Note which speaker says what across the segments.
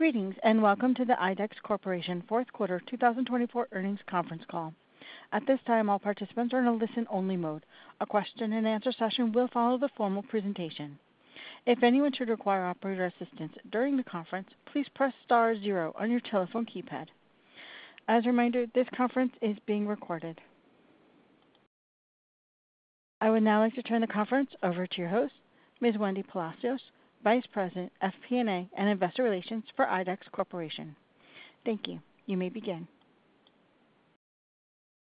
Speaker 1: Greetings and welcome to the IDEX Corporation fourth quarter 2024 earnings conference call. At this time, all participants are in a listen-only mode. A question-and-answer session will follow the formal presentation. If anyone should require operator assistance during the conference, please press star zero on your telephone keypad. As a reminder, this conference is being recorded. I would now like to turn the conference over to your host, Ms. Wendy Palacios, Vice President, FP&A, and Investor Relations for IDEX Corporation. Thank you. You may begin.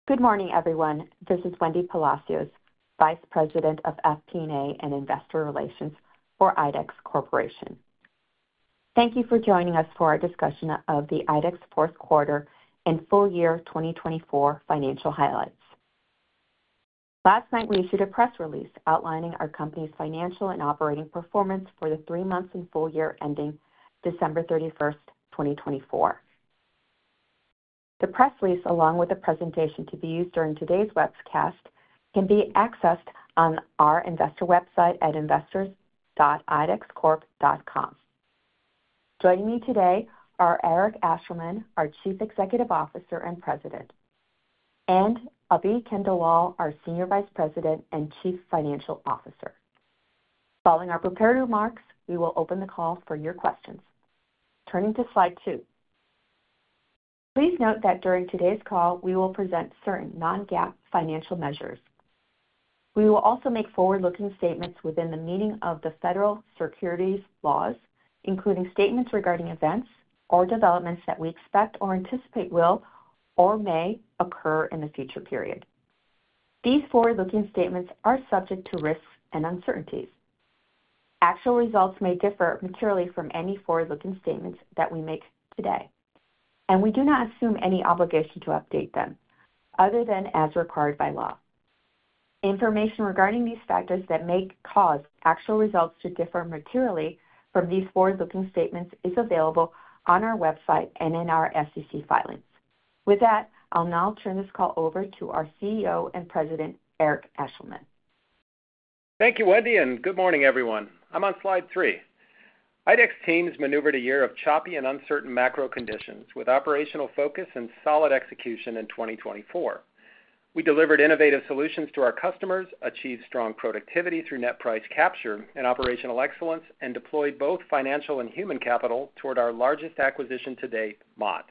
Speaker 2: Good morning, everyone. This is Wendy Palacios, Vice President of FP&A and Investor Relations for IDEX Corporation. Thank you for joining us for our discussion of the IDEX fourth quarter and full year 2024 financial highlights. Last night, we issued a press release outlining our company's financial and operating performance for the three months and full year ending December 31st, 2024. The press release, along with the presentation to be used during today's webcast, can be accessed on our investor website at investors.idexcorp.com. Joining me today are Eric Ashleman, our Chief Executive Officer and President, and Abhi Khandelwal, our Senior Vice President and Chief Financial Officer. Following our prepared remarks, we will open the call for your questions. Turning to slide two. Please note that during today's call, we will present certain non-GAAP financial measures. We will also make forward-looking statements within the meaning of the federal securities laws, including statements regarding events or developments that we expect or anticipate will or may occur in the future period. These forward-looking statements are subject to risks and uncertainties. Actual results may differ materially from any forward-looking statements that we make today, and we do not assume any obligation to update them other than as required by law. Information regarding these factors that may cause actual results to differ materially from these forward-looking statements is available on our website and in our SEC filings. With that, I'll now turn this call over to our CEO and President, Eric Ashleman.
Speaker 3: Thank you, Wendy, and good morning, everyone. I'm on slide three. IDEX's teams maneuvered a year of choppy and uncertain macro conditions with operational focus and solid execution in 2024. We delivered innovative solutions to our customers, achieved strong productivity through net price capture and operational excellence, and deployed both financial and human capital toward our largest acquisition to date, Mott.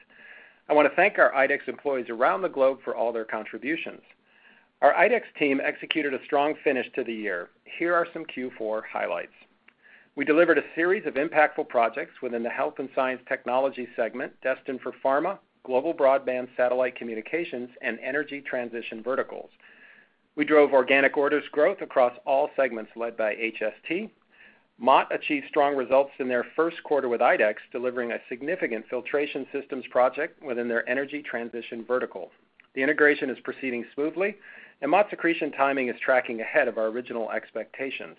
Speaker 3: I want to thank our IDEX employees around the globe for all their contributions. Our IDEX team executed a strong finish to the year. Here are some Q4 highlights. We delivered a series of impactful projects within the Health & Science Technologies segment destined for pharma, global broadband satellite communications, and energy transition verticals. We drove organic orders growth across all segments led by HST. Mott achieved strong results in their first quarter with IDEX, delivering a significant filtration systems project within their energy transition vertical. The integration is proceeding smoothly, and Mott's accretion timing is tracking ahead of our original expectations.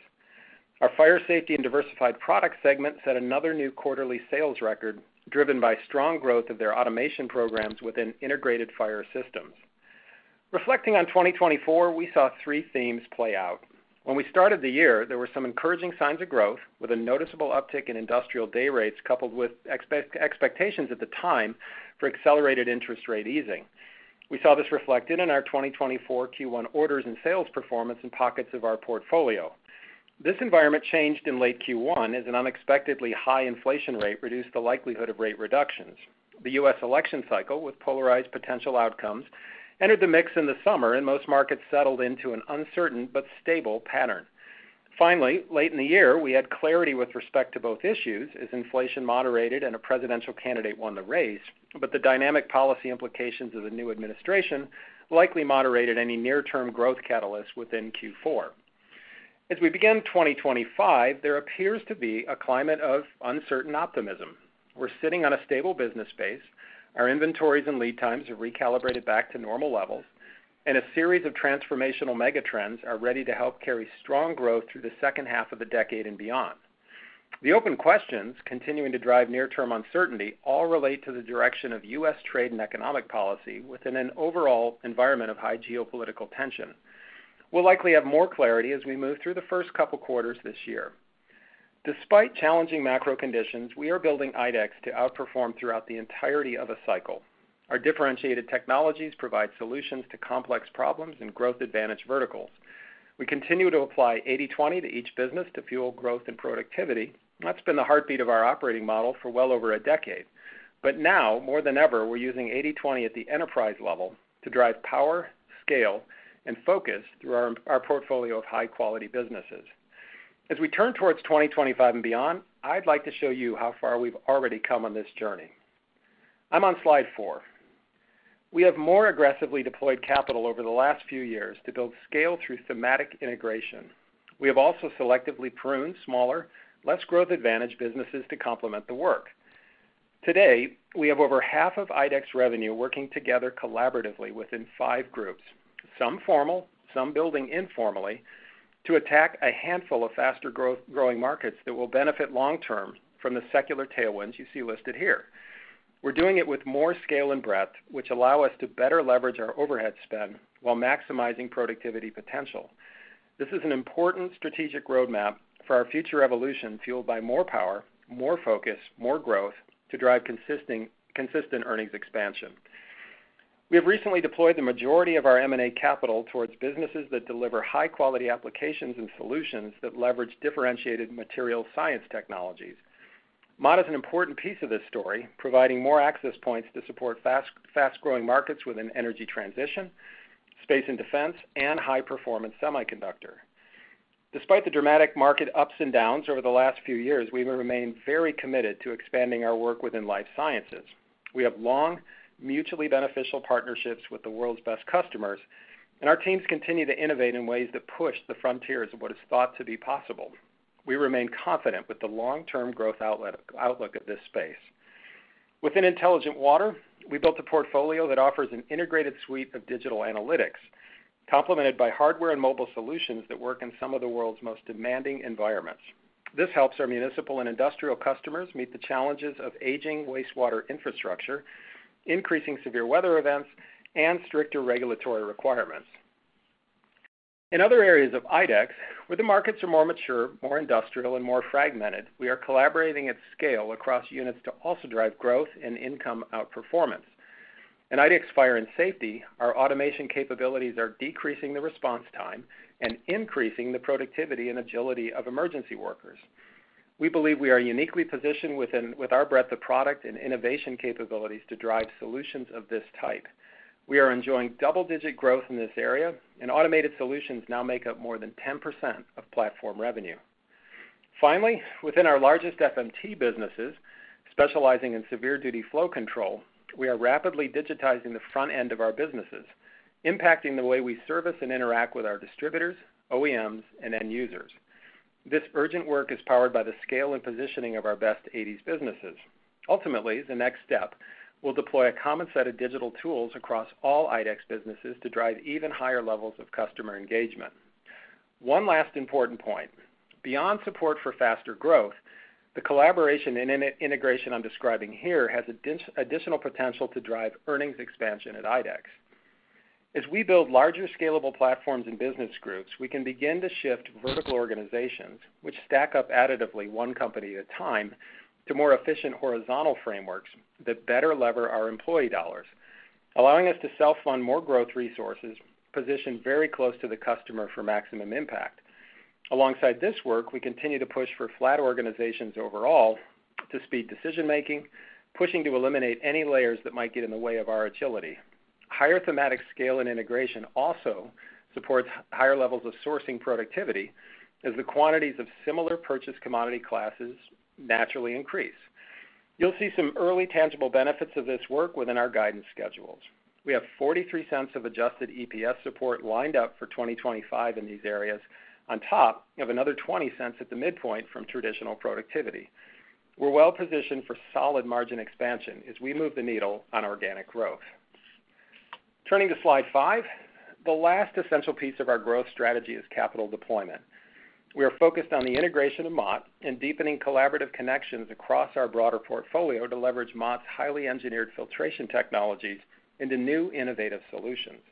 Speaker 3: Our Fire & Safety and Diversified Products segment set another new quarterly sales record driven by strong growth of their automation programs within integrated fire systems. Reflecting on 2024, we saw three themes play out. When we started the year, there were some encouraging signs of growth with a noticeable uptick in industrial day rates, coupled with expectations at the time for accelerated interest rate easing. We saw this reflected in our 2024 Q1 orders and sales performance in pockets of our portfolio. This environment changed in late Q1 as an unexpectedly high inflation rate reduced the likelihood of rate reductions. The U.S. election cycle, with polarized potential outcomes, entered the mix in the summer, and most markets settled into an uncertain but stable pattern. Finally, late in the year, we had clarity with respect to both issues as inflation moderated and a presidential candidate won the race, but the dynamic policy implications of the new administration likely moderated any near-term growth catalysts within Q4. As we begin 2025, there appears to be a climate of uncertain optimism. We're sitting on a stable business base. Our inventories and lead times have recalibrated back to normal levels, and a series of transformational mega trends are ready to help carry strong growth through the second half of the decade and beyond. The open questions continuing to drive near-term uncertainty all relate to the direction of U.S. trade and economic policy within an overall environment of high geopolitical tension. We'll likely have more clarity as we move through the first couple of quarters this year. Despite challenging macro conditions, we are building IDEX to outperform throughout the entirety of a cycle. Our differentiated technologies provide solutions to complex problems and growth-advantaged verticals. We continue to apply 80/20 to each business to fuel growth and productivity. That's been the heartbeat of our operating model for well over a decade. But now, more than ever, we're using 80/20 at the enterprise level to drive power, scale, and focus through our portfolio of high-quality businesses. As we turn towards 2025 and beyond, I'd like to show you how far we've already come on this journey. I'm on slide four. We have more aggressively deployed capital over the last few years to build scale through thematic integration. We have also selectively pruned smaller, less growth-advantaged businesses to complement the work. Today, we have over half of IDEX revenue working together collaboratively within five groups, some formal, some building informally, to attack a handful of faster-growing markets that will benefit long-term from the secular tailwinds you see listed here. We're doing it with more scale and breadth, which allow us to better leverage our overhead spend while maximizing productivity potential. This is an important strategic roadmap for our future evolution fueled by more power, more focus, more growth to drive consistent earnings expansion. We have recently deployed the majority of our M&A capital towards businesses that deliver high-quality applications and solutions that leverage differentiated material science technologies. Mott is an important piece of this story, providing more access points to support fast-growing markets within energy transition, space and defense, and high-performance semiconductor. Despite the dramatic market ups and downs over the last few years, we have remained very committed to expanding our work within life sciences. We have long mutually beneficial partnerships with the world's best customers, and our teams continue to innovate in ways that push the frontiers of what is thought to be possible. We remain confident with the long-term growth outlook of this space. Within Intelligent Water, we built a portfolio that offers an integrated suite of digital analytics, complemented by hardware and mobile solutions that work in some of the world's most demanding environments. This helps our municipal and industrial customers meet the challenges of aging wastewater infrastructure, increasing severe weather events, and stricter regulatory requirements. In other areas of IDEX, where the markets are more mature, more industrial, and more fragmented, we are collaborating at scale across units to also drive growth and income outperformance. In IDEX Fire & Safety, our automation capabilities are decreasing the response time and increasing the productivity and agility of emergency workers. We believe we are uniquely positioned with our breadth of product and innovation capabilities to drive solutions of this type. We are enjoying double-digit growth in this area, and automated solutions now make up more than 10% of platform revenue. Finally, within our largest FMT businesses, specializing in severe duty flow control, we are rapidly digitizing the front end of our businesses, impacting the way we service and interact with our distributors, OEMs, and end users. This urgent work is powered by the scale and positioning of our best 80/20 businesses. Ultimately, the next step will deploy a common set of digital tools across all IDEX businesses to drive even higher levels of customer engagement. One last important point: beyond support for faster growth, the collaboration and integration I'm describing here has additional potential to drive earnings expansion at IDEX. As we build larger scalable platforms and business groups, we can begin to shift vertical organizations, which stack up additively one company at a time, to more efficient horizontal frameworks that better leverage our employee dollars, allowing us to self-fund more growth resources, positioned very close to the customer for maximum impact. Alongside this work, we continue to push for flat organizations overall to speed decision-making, pushing to eliminate any layers that might get in the way of our agility. Higher thematic scale and integration also supports higher levels of sourcing productivity as the quantities of similar purchase commodity classes naturally increase. You'll see some early tangible benefits of this work within our guidance schedules. We have $0.43 of Adjusted EPS support lined up for 2025 in these areas, on top of another $0.20 at the midpoint from traditional productivity. We're well positioned for solid margin expansion as we move the needle on organic growth. Turning to slide five, the last essential piece of our growth strategy is capital deployment. We are focused on the integration of Mott and deepening collaborative connections across our broader portfolio to leverage Mott's highly engineered filtration technologies into new innovative solutions.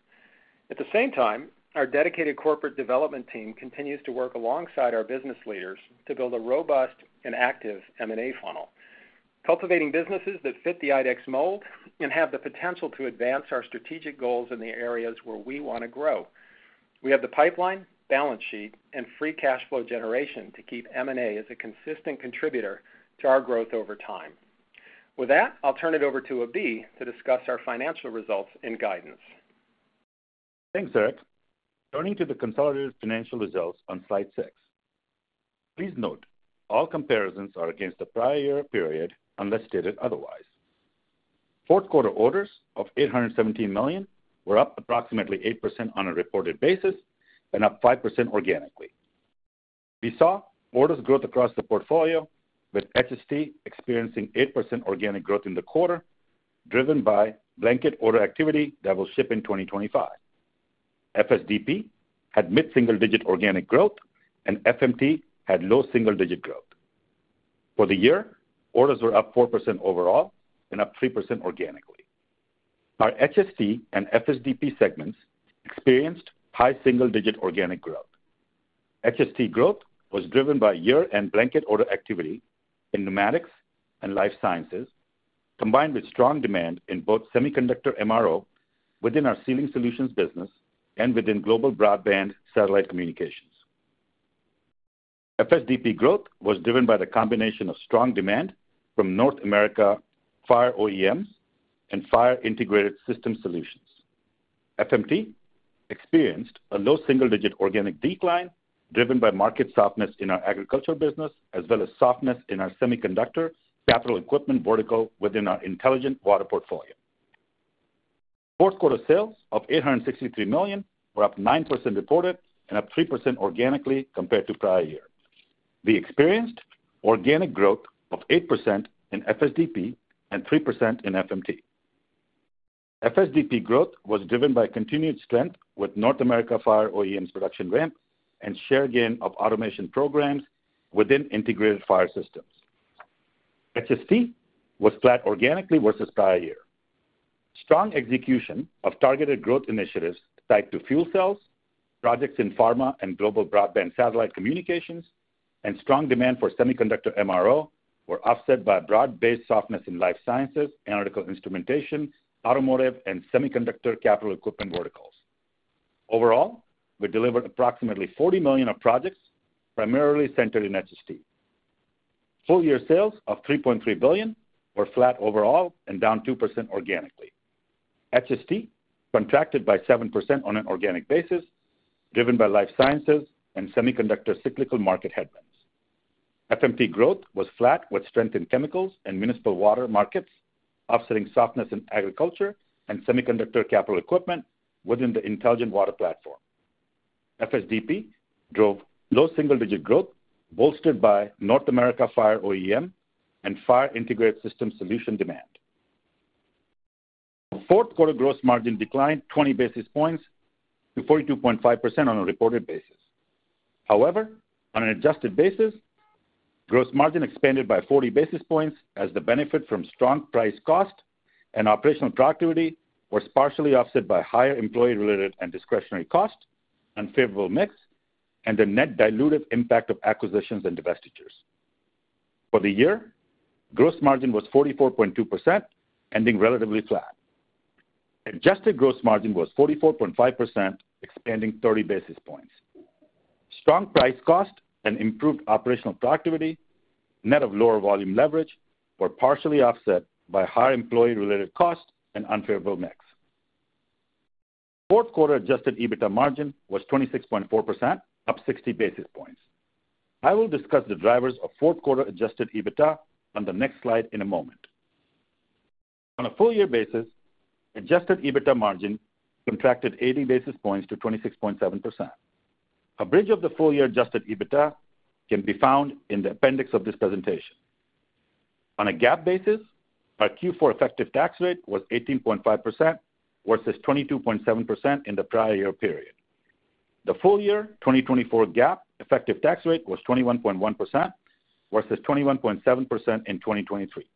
Speaker 3: At the same time, our dedicated corporate development team continues to work alongside our business leaders to build a robust and active M&A funnel, cultivating businesses that fit the IDEX mold and have the potential to advance our strategic goals in the areas where we want to grow. We have the pipeline, balance sheet, and free cash flow generation to keep M&A as a consistent contributor to our growth over time. With that, I'll turn it over to Abhi to discuss our financial results and guidance.
Speaker 4: Thanks, Eric. Turning to the consolidated financial results on slide six. Please note all comparisons are against the prior year period unless stated otherwise. Fourth quarter orders of $817 million were up approximately 8% on a reported basis and up 5% organically. We saw orders growth across the portfolio, with HST experiencing 8% organic growth in the quarter, driven by blanket order activity that will ship in 2025. FSDP had mid-single-digit organic growth, and FMT had low single-digit growth. For the year, orders were up 4% overall and up 3% organically. Our HST and FSDP segments experienced high single-digit organic growth. HST growth was driven by year-end blanket order activity in pneumatics and life sciences, combined with strong demand in both semiconductor MRO within our Sealing Solutions business and within global broadband satellite communications. FSDP growth was driven by the combination of strong demand from North America Fire OEMs and Fire Integrated System Solutions. FMT experienced a low single-digit organic decline driven by market softness in our agriculture business, as well as softness in our semiconductor capital equipment vertical within our Intelligent Water portfolio. Fourth quarter sales of $863 million were up 9% reported and up 3% organically compared to prior year. We experienced organic growth of 8% in FSDP and 3% in FMT. FSDP growth was driven by continued strength with North America Fire OEM's production ramp and share gain of automation programs within integrated fire systems. HST was flat organically versus prior year. Strong execution of targeted growth initiatives tied to fuel cells, projects in pharma and global broadband satellite communications, and strong demand for semiconductor MRO were offset by broad-based softness in life sciences, analytical instrumentation, automotive, and semiconductor capital equipment verticals. Overall, we delivered approximately $40 million of projects primarily centered in HST. Full year sales of $3.3 billion were flat overall and down 2% organically. HST contracted by 7% on an organic basis, driven by life sciences and semiconductor cyclical market headwinds. FMT growth was flat with strength in chemicals and municipal water markets, offsetting softness in agriculture and semiconductor capital equipment within the Intelligent Water platform. FSDP drove low single-digit growth bolstered by North America Fire OEM and Fire Integrated System Solution demand. Fourth quarter gross margin declined 20 basis points to 42.5% on a reported basis. However, on an adjusted basis, gross margin expanded by 40 basis points as the benefit from strong price cost and operational productivity was partially offset by higher employee-related and discretionary cost, unfavorable mix, and the net dilutive impact of acquisitions and divestitures. For the year, gross margin was 44.2%, ending relatively flat. Adjusted gross margin was 44.5%, expanding 30 basis points. Strong price cost and improved operational productivity, net of lower volume leverage, were partially offset by higher employee-related cost and unfavorable mix. Fourth quarter adjusted EBITDA margin was 26.4%, up 60 basis points. I will discuss the drivers of fourth quarter adjusted EBITDA on the next slide in a moment. On a full year basis, adjusted EBITDA margin contracted 80 basis points to 26.7%. A bridge of the full year adjusted EBITDA can be found in the appendix of this presentation. On a GAAP basis, our Q4 effective tax rate was 18.5% versus 22.7% in the prior year period. The full year 2024 GAAP effective tax rate was 21.1% versus 21.7% in 2023.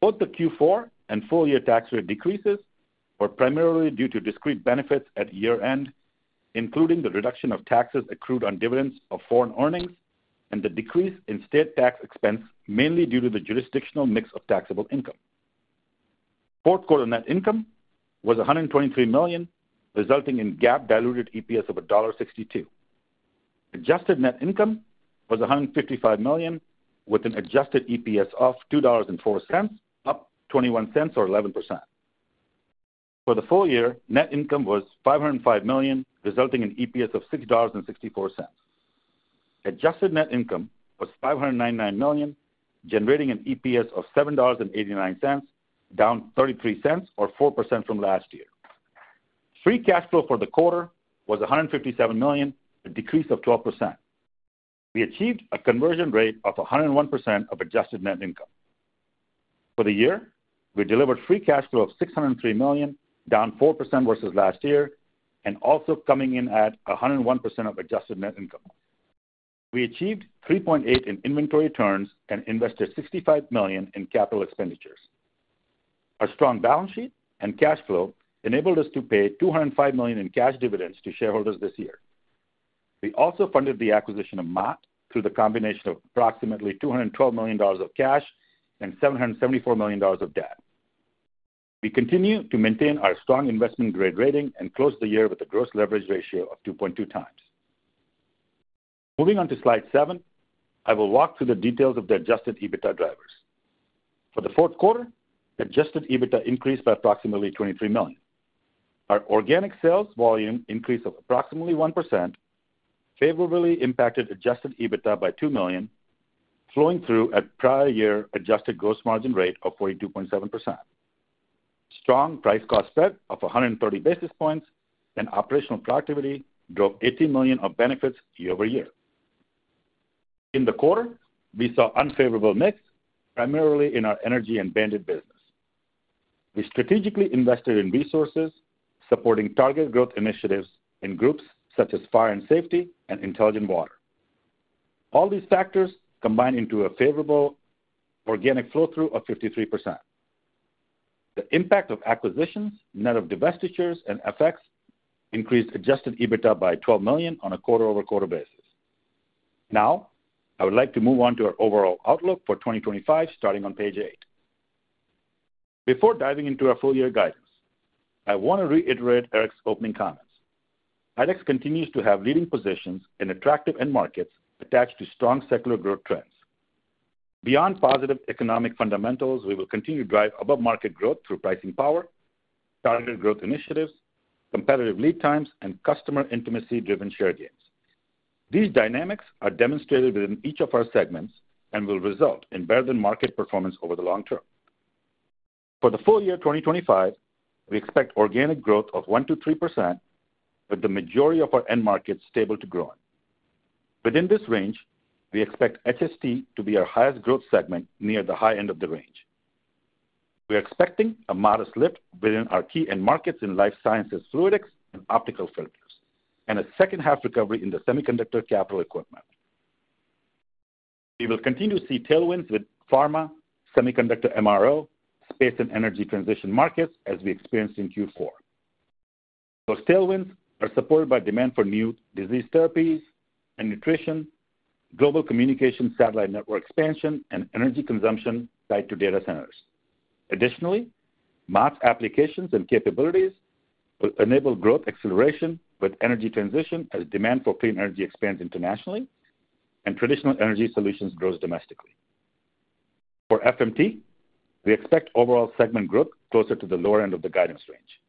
Speaker 4: Both the Q4 and full year tax rate decreases were primarily due to discrete benefits at year-end, including the reduction of taxes accrued on dividends of foreign earnings and the decrease in state tax expense mainly due to the jurisdictional mix of taxable income. Fourth quarter net income was $123 million, resulting in GAAP diluted EPS of $1.62. Adjusted net income was $155 million with an adjusted EPS of $2.04, up $0.21 or 11%. For the full year, net income was $505 million, resulting in EPS of $6.64. Adjusted net income was $599 million, generating an EPS of $7.89, down $0.33 or 4% from last year. Free cash flow for the quarter was $157 million, a decrease of 12%. We achieved a conversion rate of 101% of adjusted net income. For the year, we delivered free cash flow of $603 million, down 4% versus last year, and also coming in at 101% of adjusted net income. We achieved 3.8 in inventory turns and invested $65 million in capital expenditures. Our strong balance sheet and cash flow enabled us to pay $205 million in cash dividends to shareholders this year. We also funded the acquisition of Mott through the combination of approximately $212 million of cash and $774 million of debt. We continue to maintain our strong investment-grade rating and close the year with a gross leverage ratio of 2.2x. Moving on to slide seven, I will walk through the details of the adjusted EBITDA drivers. For the fourth quarter, Adjusted EBITDA increased by approximately $23 million. Our organic sales volume increased of approximately 1%, favorably impacted Adjusted EBITDA by $2 million, flowing through at prior year adjusted gross margin rate of 42.7%. Strong price cost spread of 130 basis points and operational productivity drove $18 million of benefits year-over-year. In the quarter, we saw unfavorable mix, primarily in our energy and BAND-IT business. We strategically invested in resources, supporting target growth initiatives in groups such as Fire & Safety and Intelligent Water. All these factors combined into a favorable organic flow-through of 53%. The impact of acquisitions, net of divestitures, and FX increased Adjusted EBITDA by $12 million on a quarter-over-quarter basis. Now, I would like to move on to our overall outlook for 2025, starting on page eight. Before diving into our full year guidance, I want to reiterate Eric's opening comments. IDEX continues to have leading positions in attractive end markets attached to strong secular growth trends. Beyond positive economic fundamentals, we will continue to drive above-market growth through pricing power, targeted growth initiatives, competitive lead times, and customer intimacy-driven share gains. These dynamics are demonstrated within each of our segments and will result in better-than-market performance over the long term. For the full year 2025, we expect organic growth of 1%-3%, with the majority of our end markets stable to growing. Within this range, we expect HST to be our highest growth segment near the high end of the range. We are expecting a modest lift within our key end markets in life sciences, fluidics, and optical filters, and a second-half recovery in the semiconductor capital equipment. We will continue to see tailwinds with pharma, semiconductor MRO, space, and energy transition markets as we experienced in Q4. Those tailwinds are supported by demand for new disease therapies and nutrition, global communication satellite network expansion, and energy consumption tied to data centers. Additionally, Mott's applications and capabilities will enable growth acceleration with energy transition as demand for clean energy expands internationally and traditional energy solutions grows domestically. For FMT, we expect overall segment growth closer to the lower end of the guidance range.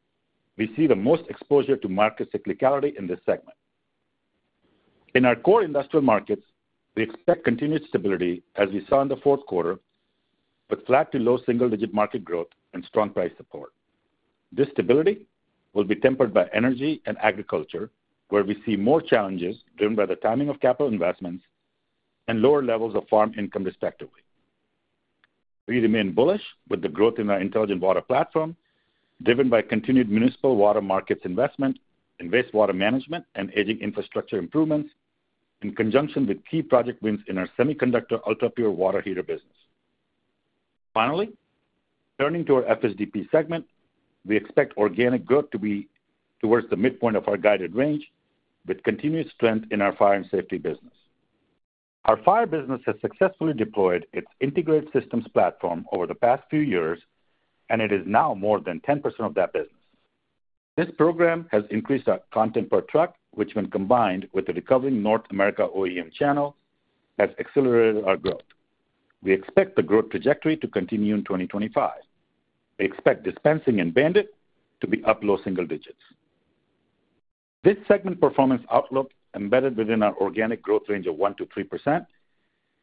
Speaker 4: We see the most exposure to market cyclicality in this segment. In our core industrial markets, we expect continued stability as we saw in the fourth quarter, with flat to low single-digit market growth and strong price support. This stability will be tempered by energy and agriculture, where we see more challenges driven by the timing of capital investments and lower levels of farm income respectively. We remain bullish with the growth in our Intelligent Water platform, driven by continued municipal water markets investment, wastewater management, and aging infrastructure improvements in conjunction with key project wins in our semiconductor ultra-pure water heater business. Finally, turning to our FSDP segment, we expect organic growth to be towards the midpoint of our guided range with continued strength in our Fire & Safety business. Our fire business has successfully deployed its Integrated Systems platform over the past few years, and it is now more than 10% of that business. This program has increased our content per truck, which, when combined with the recovering North America OEM channel, has accelerated our growth. We expect the growth trajectory to continue in 2025. We expect Dispensing and BAND-IT to be up low single digits. This segment performance outlook embedded within our organic growth range of 1%-3%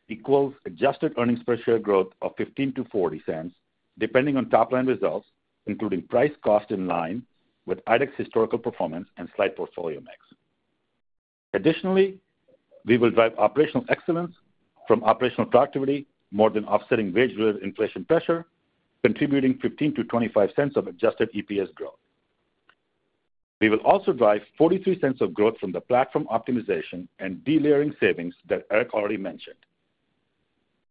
Speaker 4: equals adjusted earnings per share growth of $0.15-$0.40, depending on top-line results, including price-cost in line with IDEX historical performance and slight portfolio mix. Additionally, we will drive operational excellence from operational productivity more than offsetting wage-related inflation pressure, contributing $0.15-$0.25 of adjusted EPS growth. We will also drive $0.43 of growth from the platform optimization and delayering savings that Eric already mentioned.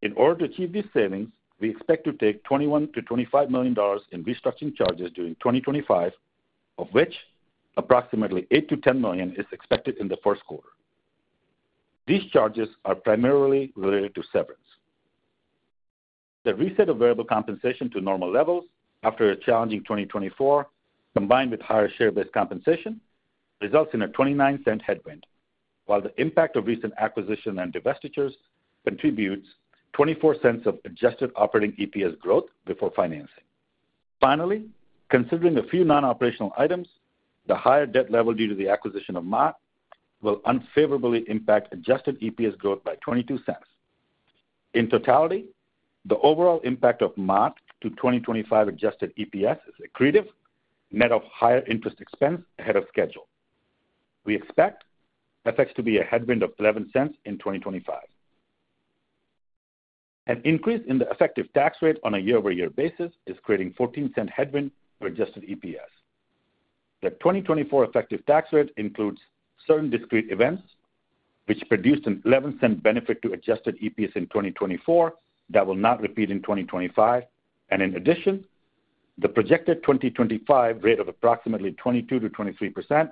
Speaker 4: In order to achieve these savings, we expect to take $21 million-$25 million in restructuring charges during 2025, of which approximately $8 million-$10 million is expected in the first quarter. These charges are primarily related to severance. The reset of variable compensation to normal levels after a challenging 2024, combined with higher share-based compensation, results in a $0.29 headwind, while the impact of recent acquisition and divestitures contributes $0.24 of adjusted operating EPS growth before financing. Finally, considering a few non-operational items, the higher debt level due to the acquisition of Mott will unfavorably impact adjusted EPS growth by $0.22. In totality, the overall impact of Mott to 2025 adjusted EPS is accretive, net of higher interest expense ahead of schedule. We expect FX to be a headwind of $0.11 in 2025. An increase in the effective tax rate on a year-over-year basis is creating a $0.14 headwind for adjusted EPS. The 2024 effective tax rate includes certain discrete events which produced a $0.11 benefit to adjusted EPS in 2024 that will not repeat in 2025. In addition, the projected 2025 rate of approximately 22%-23%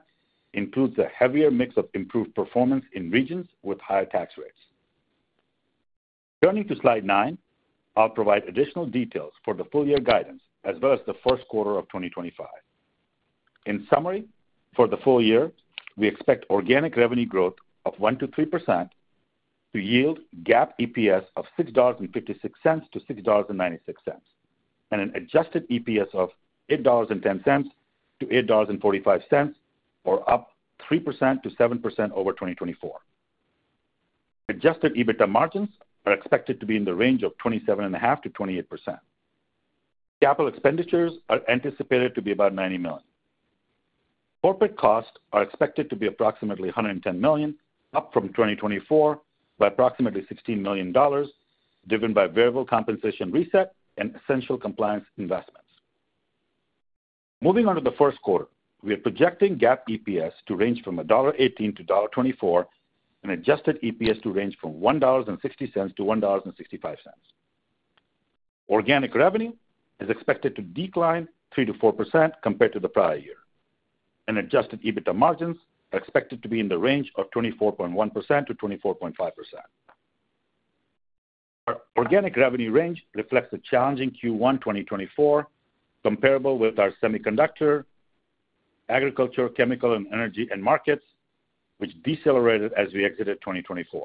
Speaker 4: includes a heavier mix of improved performance in regions with higher tax rates. Turning to slide nine, I'll provide additional details for the full year guidance as well as the first quarter of 2025. In summary, for the full year, we expect organic revenue growth of 1%-3% to yield GAAP EPS of $6.56-$6.96, and an adjusted EPS of $8.10-$8.45, or up 3%-7% over 2024. Adjusted EBITDA margins are expected to be in the range of 27.5%-28%. Capital expenditures are anticipated to be about $90 million. Corporate costs are expected to be approximately $110 million, up from 2024 by approximately $16 million, driven by variable compensation reset and essential compliance investments. Moving on to the first quarter, we are projecting GAAP EPS to range from $1.18-$1.24, and Adjusted EPS to range from $1.60-$1.65. Organic revenue is expected to decline 3%-4% compared to the prior year. Adjusted EBITDA margins are expected to be in the range of 24.1%-24.5%. Our organic revenue range reflects a challenging Q1 2024, comparable with our semiconductor, agriculture, chemical, and energy end markets, which decelerated as we exited 2023.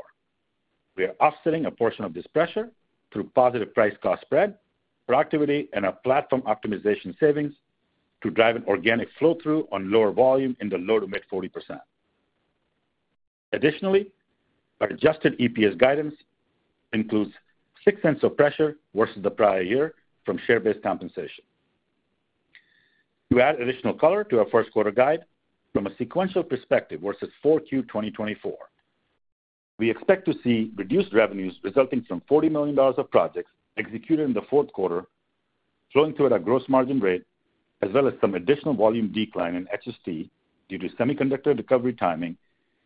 Speaker 4: We are offsetting a portion of this pressure through positive price cost spread, productivity, and our platform optimization savings to drive an organic flow-through on lower volume in the low to mid 40%. Additionally, our Adjusted EPS guidance includes $0.06 of pressure versus the prior year from share-based compensation. To add additional color to our first quarter guide, from a sequential perspective versus Q4 2024, we expect to see reduced revenues resulting from $40 million of projects executed in the fourth quarter, flowing through at a gross margin rate, as well as some additional volume decline in HST due to semiconductor recovery timing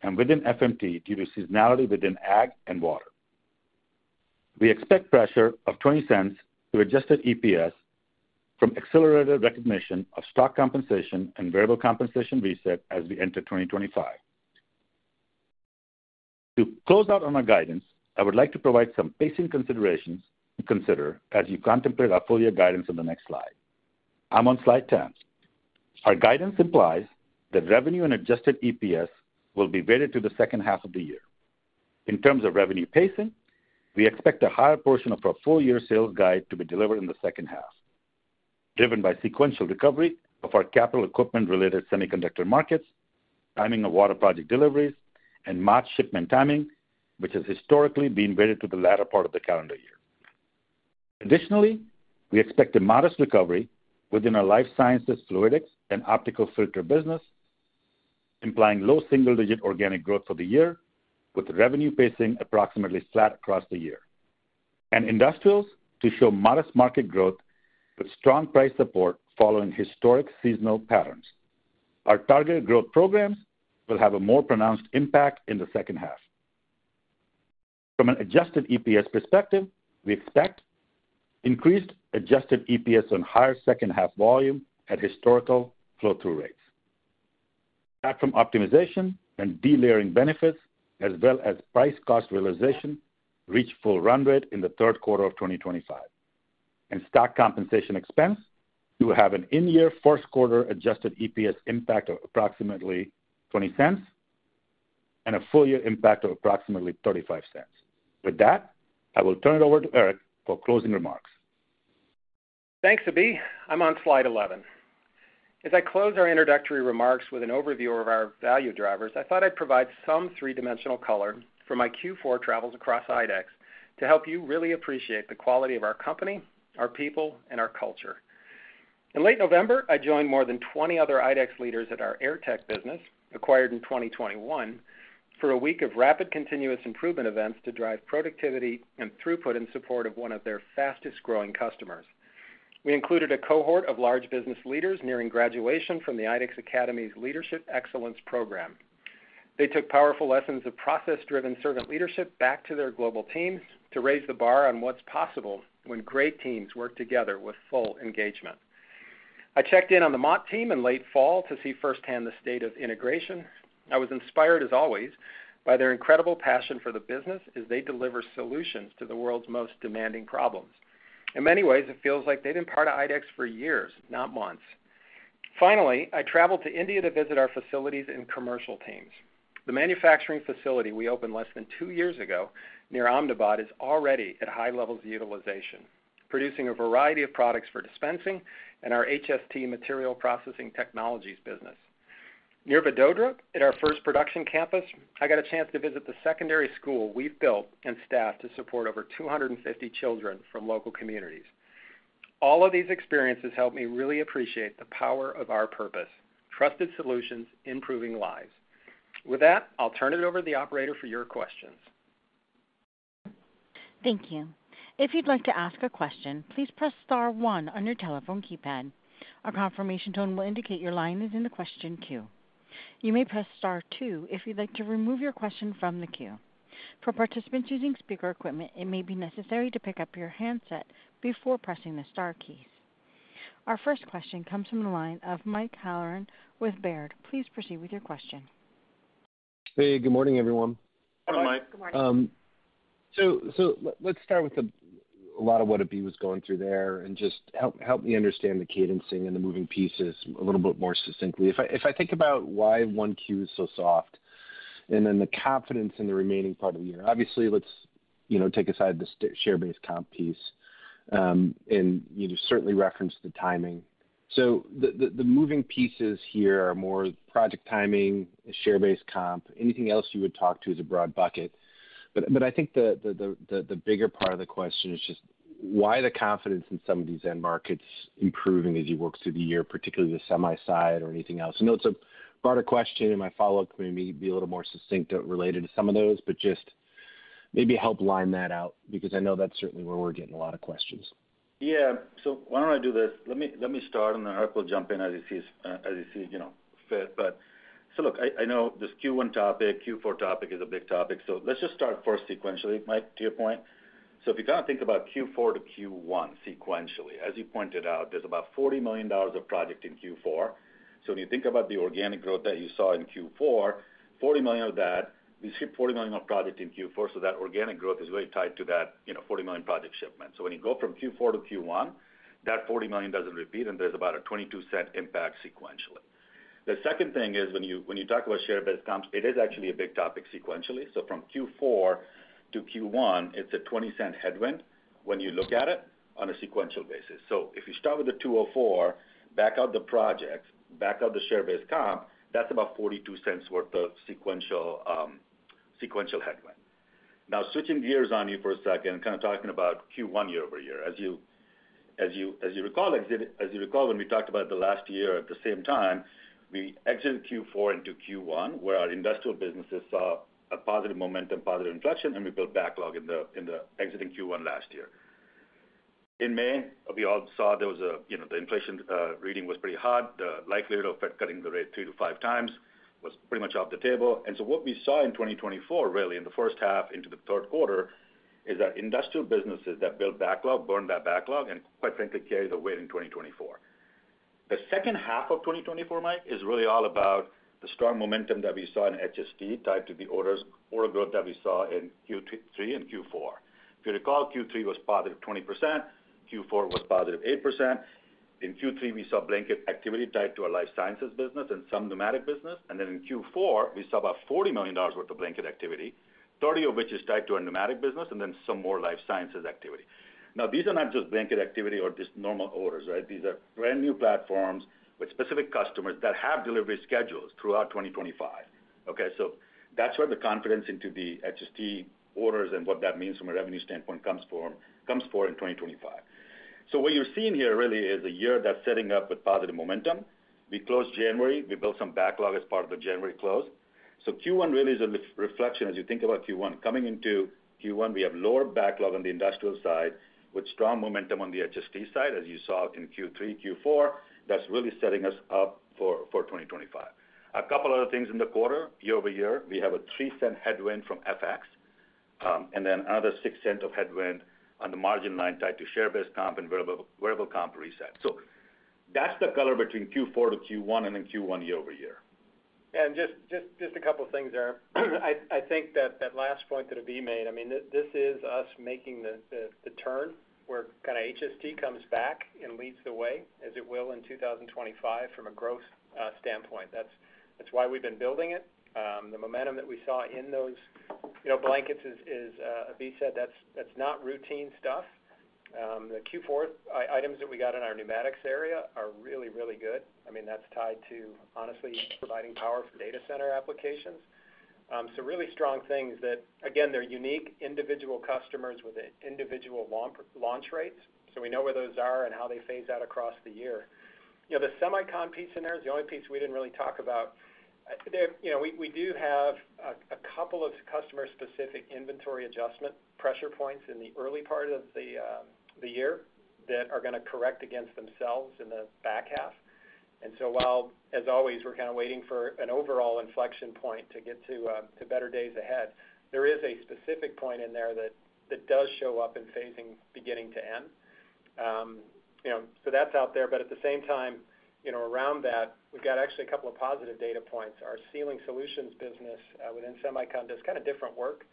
Speaker 4: and within FMT due to seasonality within ag and water. We expect pressure of $0.20 to Adjusted EPS from accelerated recognition of stock compensation and variable compensation reset as we enter 2025. To close out on our guidance, I would like to provide some pacing considerations to consider as you contemplate our full year guidance on the next slide. I'm on slide 10. Our guidance implies that revenue and Adjusted EPS will be weighted to the second half of the year. In terms of revenue pacing, we expect a higher portion of our full year sales guide to be delivered in the second half, driven by sequential recovery of our capital equipment-related semiconductor markets, timing of water project deliveries, and Mott shipment timing, which has historically been weighted to the latter part of the calendar year. Additionally, we expect a modest recovery within our life sciences, fluidics, and optical filter business, implying low single-digit organic growth for the year, with revenue pacing approximately flat across the year. And industrials to show modest market growth with strong price support following historic seasonal patterns. Our targeted growth programs will have a more pronounced impact in the second half. From an adjusted EPS perspective, we expect increased adjusted EPS on higher second-half volume at historical flow-through rates. Platform optimization and delayering benefits, as well as price cost realization, reach full run rate in the third quarter of 2025. And stock compensation expense will have an in-year first quarter Adjusted EPS impact of approximately $0.20 and a full year impact of approximately $0.35. With that, I will turn it over to Eric for closing remarks.
Speaker 3: Thanks, Abhi. I'm on slide 11. As I close our introductory remarks with an overview of our value drivers, I thought I'd provide some three-dimensional color from my Q4 travels across IDEX to help you really appreciate the quality of our company, our people, and our culture. In late November, I joined more than 20 other IDEX leaders at our Airtech business, acquired in 2021, for a week of rapid continuous improvement events to drive productivity and throughput in support of one of their fastest-growing customers. We included a cohort of large business leaders nearing graduation from the IDEX Academy's Leadership Excellence Program. They took powerful lessons of process-driven servant leadership back to their global teams to raise the bar on what's possible when great teams work together with full engagement. I checked in on the Mott team in late fall to see firsthand the state of integration. I was inspired, as always, by their incredible passion for the business as they deliver solutions to the world's most demanding problems. In many ways, it feels like they've been part of IDEX for years, not months. Finally, I traveled to India to visit our facilities and commercial teams. The manufacturing facility we opened less than two years ago near Ahmedabad is already at high levels of utilization, producing a variety of products for Dispensing and our HST Material Processing Technologies business. Near Vadodara, at our first production campus, I got a chance to visit the secondary school we've built and staffed to support over 250 children from local communities. All of these experiences helped me really appreciate the power of our purpose: trusted solutions improving lives. With that, I'll turn it over to the operator for your questions.
Speaker 1: Thank you. If you'd like to ask a question, please press star one on your telephone keypad. A confirmation tone will indicate your line is in the question queue. You may press star two if you'd like to remove your question from the queue. For participants using speaker equipment, it may be necessary to pick up your handset before pressing the star keys. Our first question comes from the line of Mike Halloran with Baird. Please proceed with your question.
Speaker 5: Hey, good morning, everyone.
Speaker 3: Hi, Mike.
Speaker 2: Good morning.
Speaker 5: So let's start with a lot of what Abhi was going through there and just help me understand the cadencing and the moving pieces a little bit more succinctly. If I think about why 1Q is so soft and then the confidence in the remaining part of the year, obviously, let's take aside the share-based comp piece and certainly reference the timing. So the moving pieces here are more project timing, share-based comp, anything else you would talk to as a broad bucket. But I think the bigger part of the question is just why the confidence in some of these end markets improving as you work through the year, particularly the semi side or anything else. I know it's a broader question, and my follow-up may be a little more succinct related to some of those, but just maybe help line that out because I know that's certainly where we're getting a lot of questions.
Speaker 4: Yeah, so why don't I do this? Let me start, and then Eric will jump in as he sees fit. But, so look, I know this Q1 topic, Q4 topic is a big topic, so let's just start first sequentially, Mike, to your point, so if you kind of think about Q4 to Q1 sequentially, as you pointed out, there's about $40 million of project in Q4. So when you think about the organic growth that you saw in Q4, $40 million of that, we skipped $40 million of project in Q4, so that organic growth is really tied to that $40 million project shipment. So when you go from Q4 to Q1, that $40 million doesn't repeat, and there's about a $0.22 impact sequentially. The second thing is when you talk about share-based comps, it is actually a big topic sequentially. So from Q4 to Q1, it's a $0.20 headwind when you look at it on a sequential basis. So if you start with the $2.04, back out the projects, back out the share-based comp, that's about $0.42 worth of sequential headwind. Now, switching gears on you for a second, kind of talking about Q1 year-over-year. As you recall, when we talked about the last year at the same time, we exited Q4 into Q1, where our industrial businesses saw a positive momentum, positive inflection, and we built backlog in the exiting Q1 last year. In May, we all saw there was the inflation reading was pretty hot. The likelihood of Fed cutting the rate three to five times was pretty much off the table, and so what we saw in 2024, really, in the first half into the third quarter, is that industrial businesses that built backlog burned that backlog and, quite frankly, carried the weight in 2024. The second half of 2024, Mike, is really all about the strong momentum that we saw in HST tied to the orders order growth that we saw in Q3 and Q4. If you recall, Q3 was +20%. Q4 was +8%. In Q3, we saw blanket activity tied to our life sciences business and some pneumatic business. And then in Q4, we saw about $40 million worth of blanket activity, $30 million of which is tied to our pneumatic business and then some more life sciences activity. Now, these are not just blanket activity or just normal orders, right? These are brand new platforms with specific customers that have delivery schedules throughout 2025. Okay? So that's where the confidence into the HST orders and what that means from a revenue standpoint comes forward in 2025. So what you're seeing here really is a year that's setting up with positive momentum. We closed January. We built some backlog as part of the January close. So Q1 really is a reflection as you think about Q1. Coming into Q1, we have lower backlog on the industrial side with strong momentum on the HST side, as you saw in Q3, Q4. That's really setting us up for 2025. A couple of other things in the quarter, year-over-year. We have a $0.03 headwind from FX and then another $0.06 headwind on the margin line tied to share-based comp and variable comp reset. So that's the color between Q4 to Q1 and then Q1 year-over-year.
Speaker 3: And just a couple of things there. I think that last point that Abhi made. I mean, this is us making the turn where kind of HST comes back and leads the way, as it will in 2025 from a growth standpoint. That's why we've been building it. The momentum that we saw in those blankets, as Abhi said, that's not routine stuff. The Q4 items that we got in our pneumatics area are really, really good. I mean, that's tied to, honestly, providing power for data center applications. So really strong things that, again, they're unique individual customers with individual launch rates. So we know where those are and how they phase out across the year. The semi comp piece in there is the only piece we didn't really talk about. We do have a couple of customer-specific inventory adjustment pressure points in the early part of the year that are going to correct against themselves in the back half, and so while, as always, we're kind of waiting for an overall inflection point to get to better days ahead, there is a specific point in there that does show up in phasing beginning to end, so that's out there, but at the same time, around that, we've got actually a couple of positive data points. Our Sealing Solutions business within semiconductor is kind of different work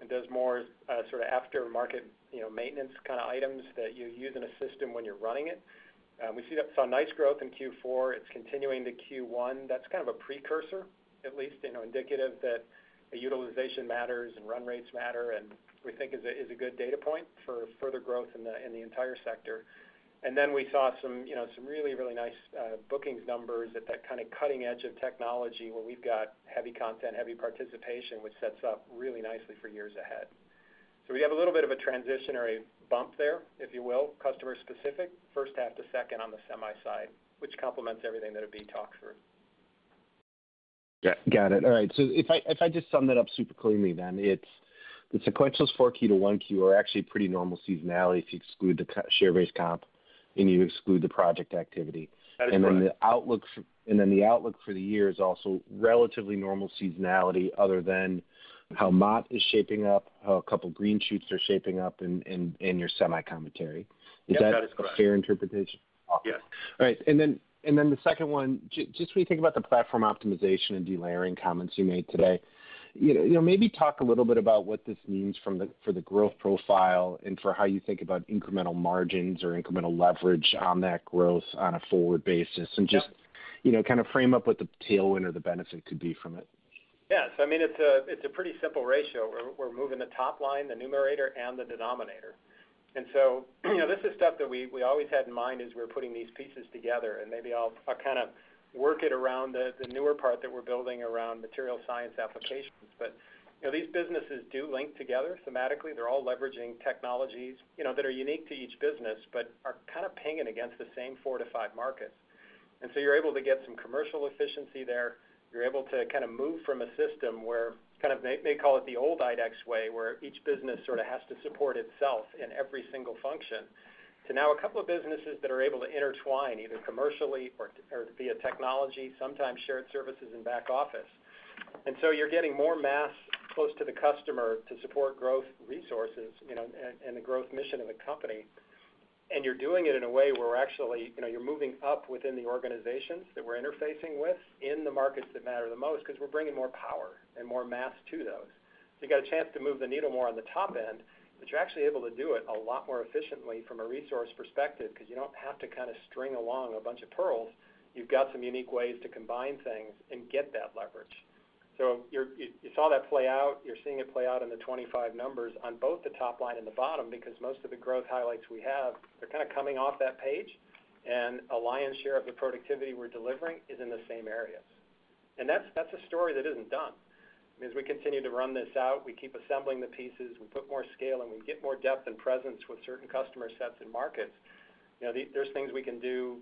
Speaker 3: and does more sort of aftermarket maintenance kind of items that you use in a system when you're running it. We saw nice growth in Q4. It's continuing to Q1. That's kind of a precursor, at least, indicative that utilization matters and run rates matter and we think is a good data point for further growth in the entire sector. And then we saw some really, really nice bookings numbers at that kind of cutting edge of technology where we've got heavy content, heavy participation, which sets up really nicely for years ahead. So we have a little bit of a transitory bump there, if you will, customer-specific, first half to second on the semi side, which complements everything that Abhi talked through.
Speaker 5: Got it. All right.
Speaker 3: So, if I just sum that up super cleanly, then, it's the sequentials for Q2 to Q1 are actually pretty normal seasonality if you exclude the share-based comp and you exclude the project activity. And then the outlook for the year is also relatively normal seasonality other than how Mott is shaping up, how a couple of green shoots are shaping up in your semi commentary. Is that a fair interpretation?
Speaker 5: Yes. All right. And then the second one, just when you think about the platform optimization and delayering comments you made today, maybe talk a little bit about what this means for the growth profile and for how you think about incremental margins or incremental leverage on that growth on a forward basis and just kind of frame up what the tailwind or the benefit could be from it.
Speaker 3: Yeah. So I mean, it's a pretty simple ratio. We're moving the top line, the numerator, and the denominator. And so this is stuff that we always had in mind as we're putting these pieces together. Maybe I'll kind of work it around the newer part that we're building around material science applications. These businesses do link together thematically. They're all leveraging technologies that are unique to each business but are kind of pinging against the same four to five markets. You're able to get some commercial efficiency there. You're able to kind of move from a system where kind of they call it the old IDEX way, where each business sort of has to support itself in every single function to now a couple of businesses that are able to intertwine either commercially or via technology, sometimes shared services and back office. You're getting more mass close to the customer to support growth resources and the growth mission of the company. And you're doing it in a way where actually you're moving up within the organizations that we're interfacing with in the markets that matter the most because we're bringing more power and more mass to those. So you got a chance to move the needle more on the top end, but you're actually able to do it a lot more efficiently from a resource perspective because you don't have to kind of string along a bunch of pearls. You've got some unique ways to combine things and get that leverage. So you saw that play out. You're seeing it play out in the 25 numbers on both the top line and the bottom because most of the growth highlights we have, they're kind of coming off that page. And a lion's share of the productivity we're delivering is in the same areas. And that's a story that isn't done. As we continue to run this out, we keep assembling the pieces. We put more scale, and we get more depth and presence with certain customer sets and markets. There's things we can do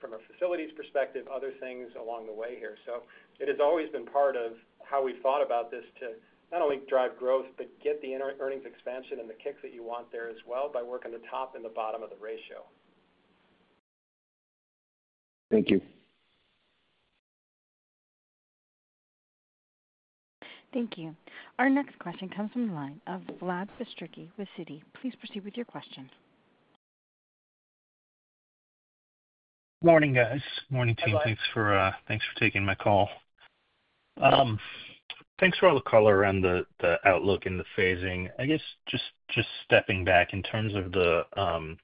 Speaker 3: from a facilities perspective, other things along the way here. So it has always been part of how we've thought about this to not only drive growth but get the earnings expansion and the kicks that you want there as well by working the top and the bottom of the ratio.
Speaker 5: Thank you.
Speaker 1: Thank you. Our next question comes from the line of Vlad Bystricky with Citi. Please proceed with your question.
Speaker 6: Morning, guys. Morning, team. Thanks for taking my call. Thanks for all the color and the outlook and the phasing. I guess just stepping back in terms of the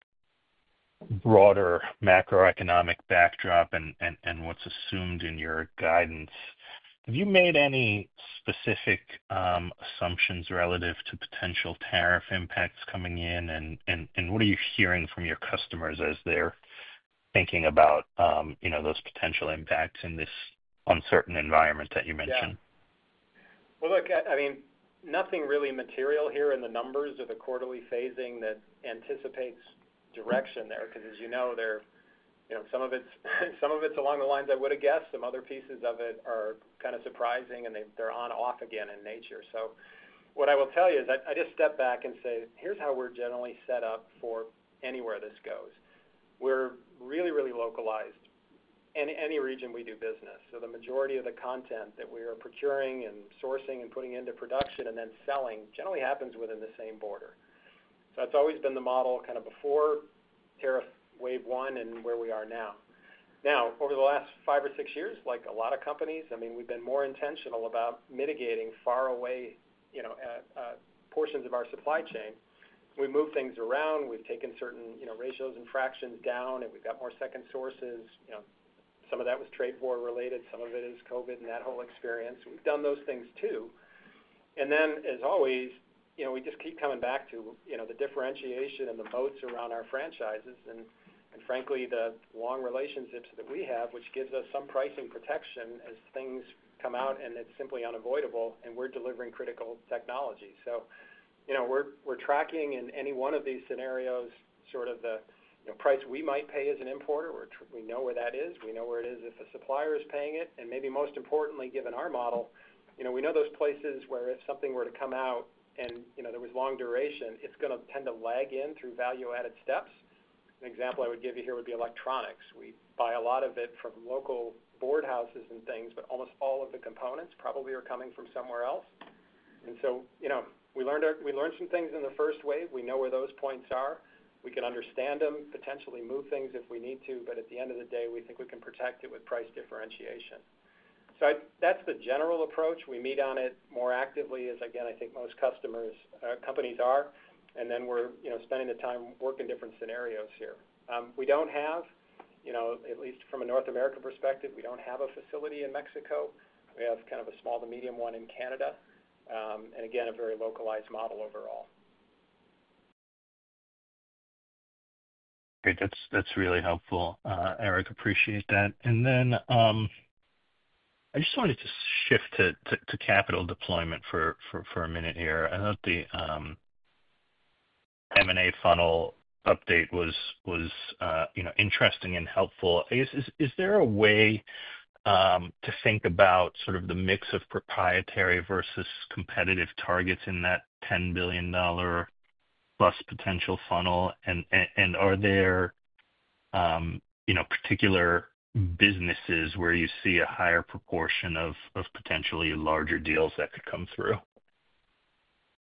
Speaker 6: broader macroeconomic backdrop and what's assumed in your guidance, have you made any specific assumptions relative to potential tariff impacts coming in? And what are you hearing from your customers as they're thinking about those potential impacts in this uncertain environment that you mentioned?
Speaker 3: Well, look, I mean, nothing really material here in the numbers of the quarterly phasing that anticipates direction there because, as you know, some of it's along the lines I would have guessed. Some other pieces of it are kind of surprising, and they're on off again in nature. So what I will tell you is I just step back and say, "Here's how we're generally set up for anywhere this goes." We're really, really localized in any region we do business. The majority of the content that we are procuring and sourcing and putting into production and then selling generally happens within the same border. That's always been the model kind of before tariff wave one and where we are now. Over the last five or six years, like a lot of companies, I mean, we've been more intentional about mitigating far away portions of our supply chain. We've moved things around. We've taken certain ratios and fractions down, and we've got more second sources. Some of that was trade war related. Some of it is COVID and that whole experience. We've done those things too. And then, as always, we just keep coming back to the differentiation and the moats around our franchises and, frankly, the long relationships that we have, which gives us some pricing protection as things come out, and it's simply unavoidable, and we're delivering critical technology. So we're tracking in any one of these scenarios sort of the price we might pay as an importer. We know where that is. We know where it is if a supplier is paying it. And maybe most importantly, given our model, we know those places where if something were to come out and there was long duration, it's going to tend to lag in through value-added steps. An example I would give you here would be electronics. We buy a lot of it from local board houses and things, but almost all of the components probably are coming from somewhere else. And so we learned some things in the first wave. We know where those points are. We can understand them, potentially move things if we need to. But at the end of the day, we think we can protect it with price differentiation. So that's the general approach. We meet on it more actively as, again, I think most customers or companies are. And then we're spending the time working different scenarios here. We don't have, at least from a North America perspective, we don't have a facility in Mexico. We have kind of a small to medium one in Canada. And again, a very localized model overall.
Speaker 6: Okay. That's really helpful, Eric. Appreciate that. And then I just wanted to shift to capital deployment for a minute here. I thought the M&A funnel update was interesting and helpful. Is there a way to think about sort of the mix of proprietary versus competitive targets in that $10 billion plus potential funnel? And are there particular businesses where you see a higher proportion of potentially larger deals that could come through?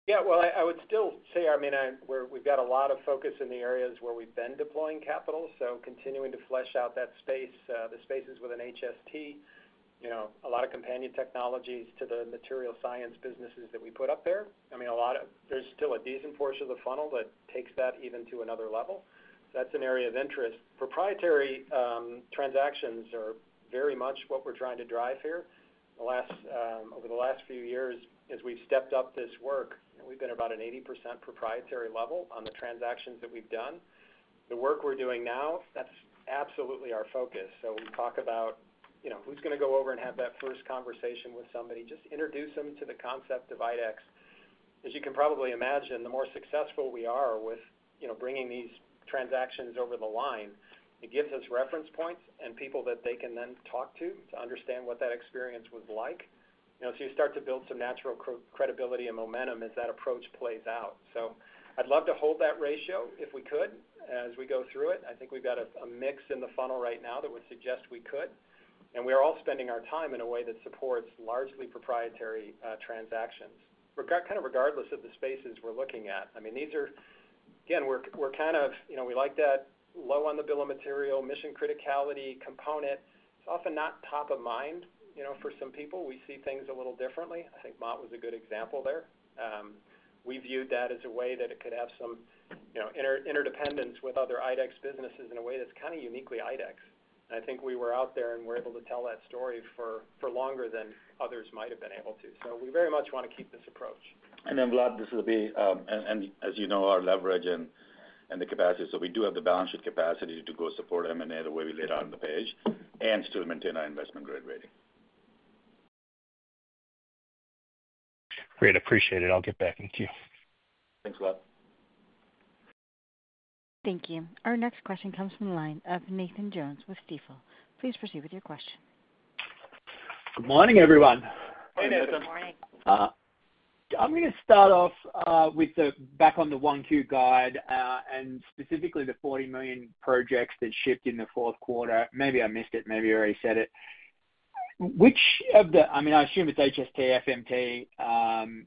Speaker 3: Yeah. Well, I would still say, I mean, we've got a lot of focus in the areas where we've been deploying capital. So continuing to flesh out that space, the spaces within HST, a lot of companion technologies to the material science businesses that we put up there. I mean, there's still a decent portion of the funnel that takes that even to another level. That's an area of interest. Proprietary transactions are very much what we're trying to drive here. Over the last few years, as we've stepped up this work, we've been about an 80% proprietary level on the transactions that we've done. The work we're doing now, that's absolutely our focus. So we talk about who's going to go over and have that first conversation with somebody, just introduce them to the concept of IDEX. As you can probably imagine, the more successful we are with bringing these transactions over the line, it gives us reference points and people that they can then talk to to understand what that experience was like. So you start to build some natural credibility and momentum as that approach plays out. So I'd love to hold that ratio if we could as we go through it. I think we've got a mix in the funnel right now that would suggest we could. And we're all spending our time in a way that supports largely proprietary transactions, kind of regardless of the spaces we're looking at. I mean, again, we're kind of like that low on the bill of material mission criticality component. It's often not top of mind for some people. We see things a little differently. I think Mott was a good example there. We viewed that as a way that it could have some interdependence with other IDEX businesses in a way that's kind of uniquely IDEX. And I think we were out there and were able to tell that story for longer than others might have been able to. So we very much want to keep this approach.
Speaker 4: And then, Vlad, this is Abhi, and as you know, our leverage and the capacity. So we do have the balance sheet capacity to go support M&A the way we laid out on the page and still maintain our investment grade rating.
Speaker 6: Great. Appreciate it. I'll get back to you.
Speaker 3: Thanks, Vlad.
Speaker 1: Thank you. Our next question comes from the line of Nathan Jones with Stifel. Please proceed with your question.
Speaker 7: Good morning, everyone.
Speaker 3: Hey, Nathan.
Speaker 2: Good morning.
Speaker 7: I'm going to start off with back on the 1Q guide and specifically the $40 million projects that shipped in the fourth quarter. Maybe I missed it. Maybe I already said it. Which of the I mean, I assume it's HST, FMT.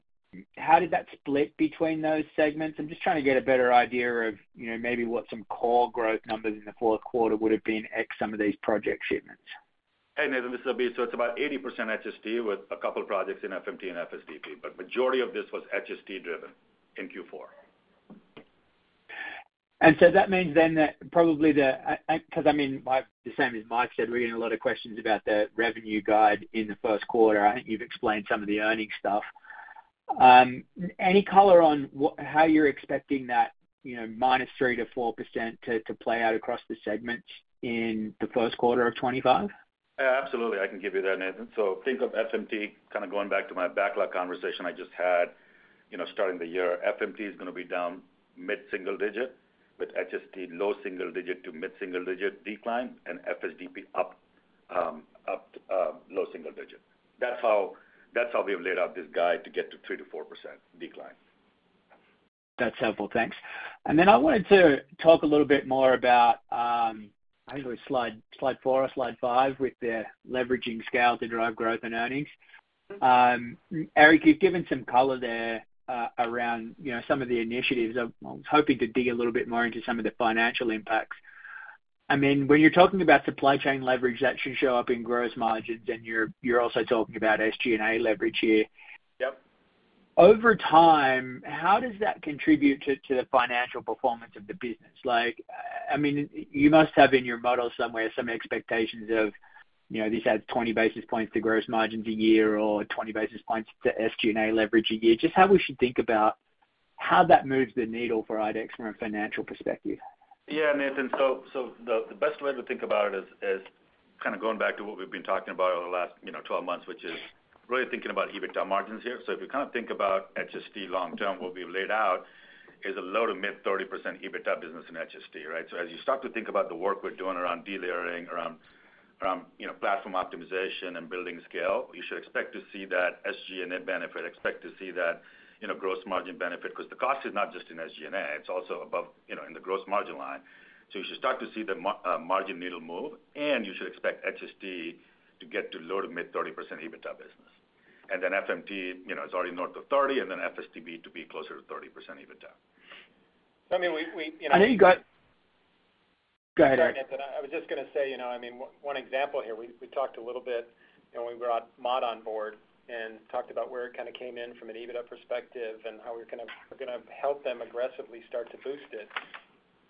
Speaker 7: How did that split between those segments? I'm just trying to get a better idea of maybe what some core growth numbers in the fourth quarter would have been ex some of these project shipments.
Speaker 4: Hey, Nathan. This is Abhi. So, it's about 80% HST with a couple of projects in FMT and FSDP. But the majority of this was HST-driven in Q4.
Speaker 7: And so that means then that probably because, I mean, the same as Mike said, we're getting a lot of questions about the revenue guide in the first quarter. I think you've explained some of the earnings stuff. Any color on how you're expecting that -3% to 4% to play out across the segments in the first quarter of 2025?
Speaker 4: Absolutely. I can give you that, Nathan. So, think of FMT kind of going back to my backlog conversation I just had starting the year. FMT is going to be down mid-single digit, with HST low single digit to mid-single digit decline, and FSDP up low single digit. That's how we have laid out this guide to get to 3%-4% decline.
Speaker 7: That's helpful. Thanks. And then I wanted to talk a little bit more about, I think it was slide four or slide five with the leveraging scale to drive growth and earnings. Eric, you've given some color there around some of the initiatives. I was hoping to dig a little bit more into some of the financial impacts. I mean, when you're talking about supply chain leverage, that should show up in gross margins. And you're also talking about SG&A leverage here.
Speaker 3: Yep.
Speaker 7: Over time, how does that contribute to the financial performance of the business? I mean, you must have in your model somewhere some expectations of this adds 20 basis points to gross margins a year or 20 basis points to SG&A leverage a year. Just how we should think about how that moves the needle for IDEX from a financial perspective.
Speaker 4: Yeah, Nathan. The best way to think about it is kind of going back to what we've been talking about over the last 12 months, which is really thinking about EBITDA margins here. If you kind of think about HST long term, what we've laid out is a low- to mid-30% EBITDA business in HST, right? As you start to think about the work we're doing around delayering, around platform optimization, and building scale, you should expect to see that SG&A benefit, expect to see that gross margin benefit because the cost is not just in SG&A. It's also above in the gross margin line. You should start to see the margin needle move, and you should expect HST to get to low- to mid-30% EBITDA business. Then FMT is already north of 30, and then FSDP to be closer to 30% EBITDA.
Speaker 3: I mean, I know you got—go ahead, Nathan. I was just going to say, I mean, one example here. We talked a little bit when we brought Mott on board and talked about where it kind of came in from an EBITDA perspective and how we're going to help them aggressively start to boost it.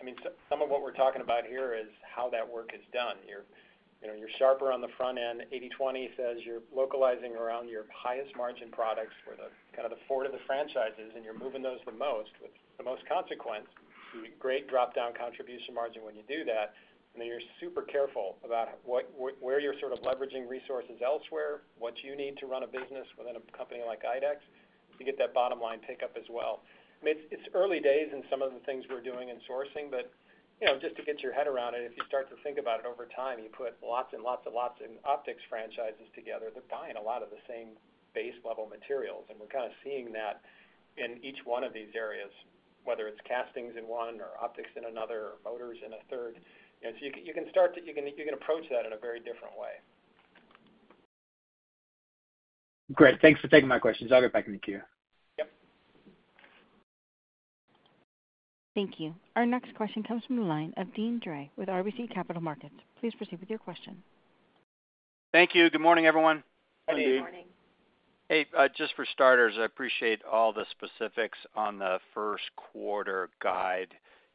Speaker 3: I mean, some of what we're talking about here is how that work is done. You're sharper on the front end. 80/20 says you're localizing around your highest margin products where kind of the core of the franchises, and you're moving those the most with the most consequence. You get great drop-down contribution margin when you do that. Then you're super careful about where you're sort of leveraging resources elsewhere, what you need to run a business within a company like IDEX to get that bottom line pickup as well. I mean, it's early days in some of the things we're doing in sourcing, but just to get your head around it, if you start to think about it over time, you put lots and lots and lots of optics franchises together. They're buying a lot of the same base level materials. And we're kind of seeing that in each one of these areas, whether it's castings in one or optics in another or motors in a third. So you can start to—you can approach that in a very different way.
Speaker 7: Great. Thanks for taking my questions. I'll get back into queue.
Speaker 1: Thank you. Our next question comes from the line of Deane Dray with RBC Capital Markets. Please proceed with your question.
Speaker 8: Thank you. Good morning, everyone. Hey, just for starters, I appreciate all the specifics on the first quarter guide.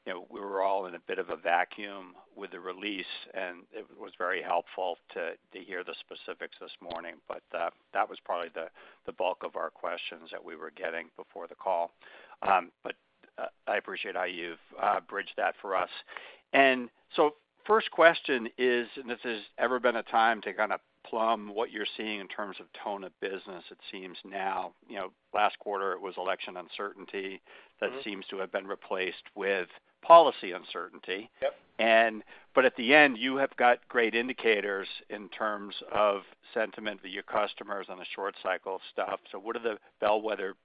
Speaker 8: We were all in a bit of a vacuum with the release, and it was very helpful to hear the specifics this morning. But that was probably the bulk of our questions that we were getting before the call. But I appreciate how you've bridged that for us. And so first question is, and this has ever been a time to kind of plumb what you're seeing in terms of tone of business. It seems now, last quarter, it was election uncertainty that seems to have been replaced with policy uncertainty. But at the end, you have got great indicators in terms of sentiment for your customers on a short cycle of stuff. So what are the bellwether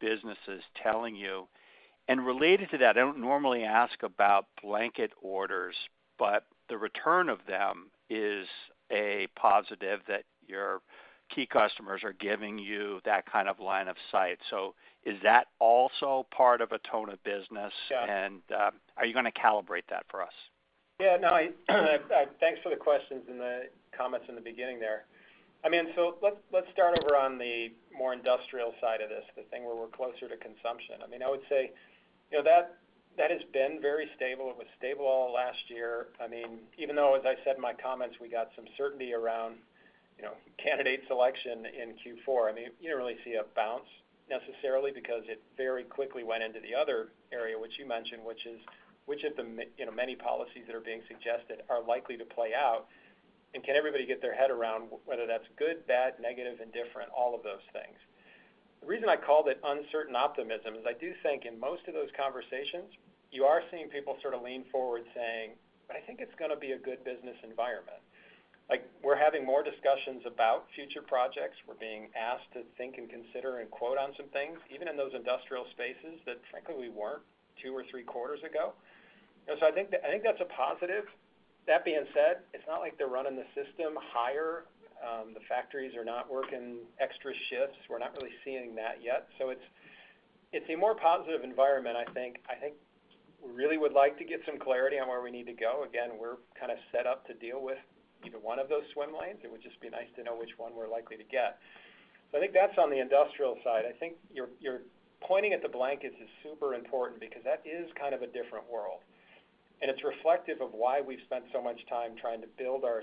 Speaker 8: businesses telling you? And related to that, I don't normally ask about blanket orders, but the return of them is a positive that your key customers are giving you that kind of line of sight. So is that also part of a ton of business? And are you going to elaborate that for us?
Speaker 3: Yeah. No, thanks for the questions and the comments in the beginning there. I mean, so let's start over on the more industrial side of this, the thing where we're closer to consumption. I mean, I would say that has been very stable. It was stable all last year. I mean, even though, as I said in my comments, we got some certainty around candidate selection in Q4. I mean, you don't really see a bounce necessarily because it very quickly went into the other area, which you mentioned, which is which of the many policies that are being suggested are likely to play out. And can everybody get their head around whether that's good, bad, negative, indifferent, all of those things? The reason I called it uncertain optimism is I do think in most of those conversations, you are seeing people sort of lean forward saying, "But I think it's going to be a good business environment." We're having more discussions about future projects. We're being asked to think and consider and quote on some things, even in those industrial spaces that, frankly, we weren't two or three quarters ago. So I think that's a positive. That being said, it's not like they're running the system higher. The factories are not working extra shifts. We're not really seeing that yet, so it's a more positive environment, I think. I think we really would like to get some clarity on where we need to go. Again, we're kind of set up to deal with either one of those swim lanes. It would just be nice to know which one we're likely to get, so I think that's on the industrial side. I think you're pointing at the blankets is super important because that is kind of a different world, and it's reflective of why we've spent so much time trying to build our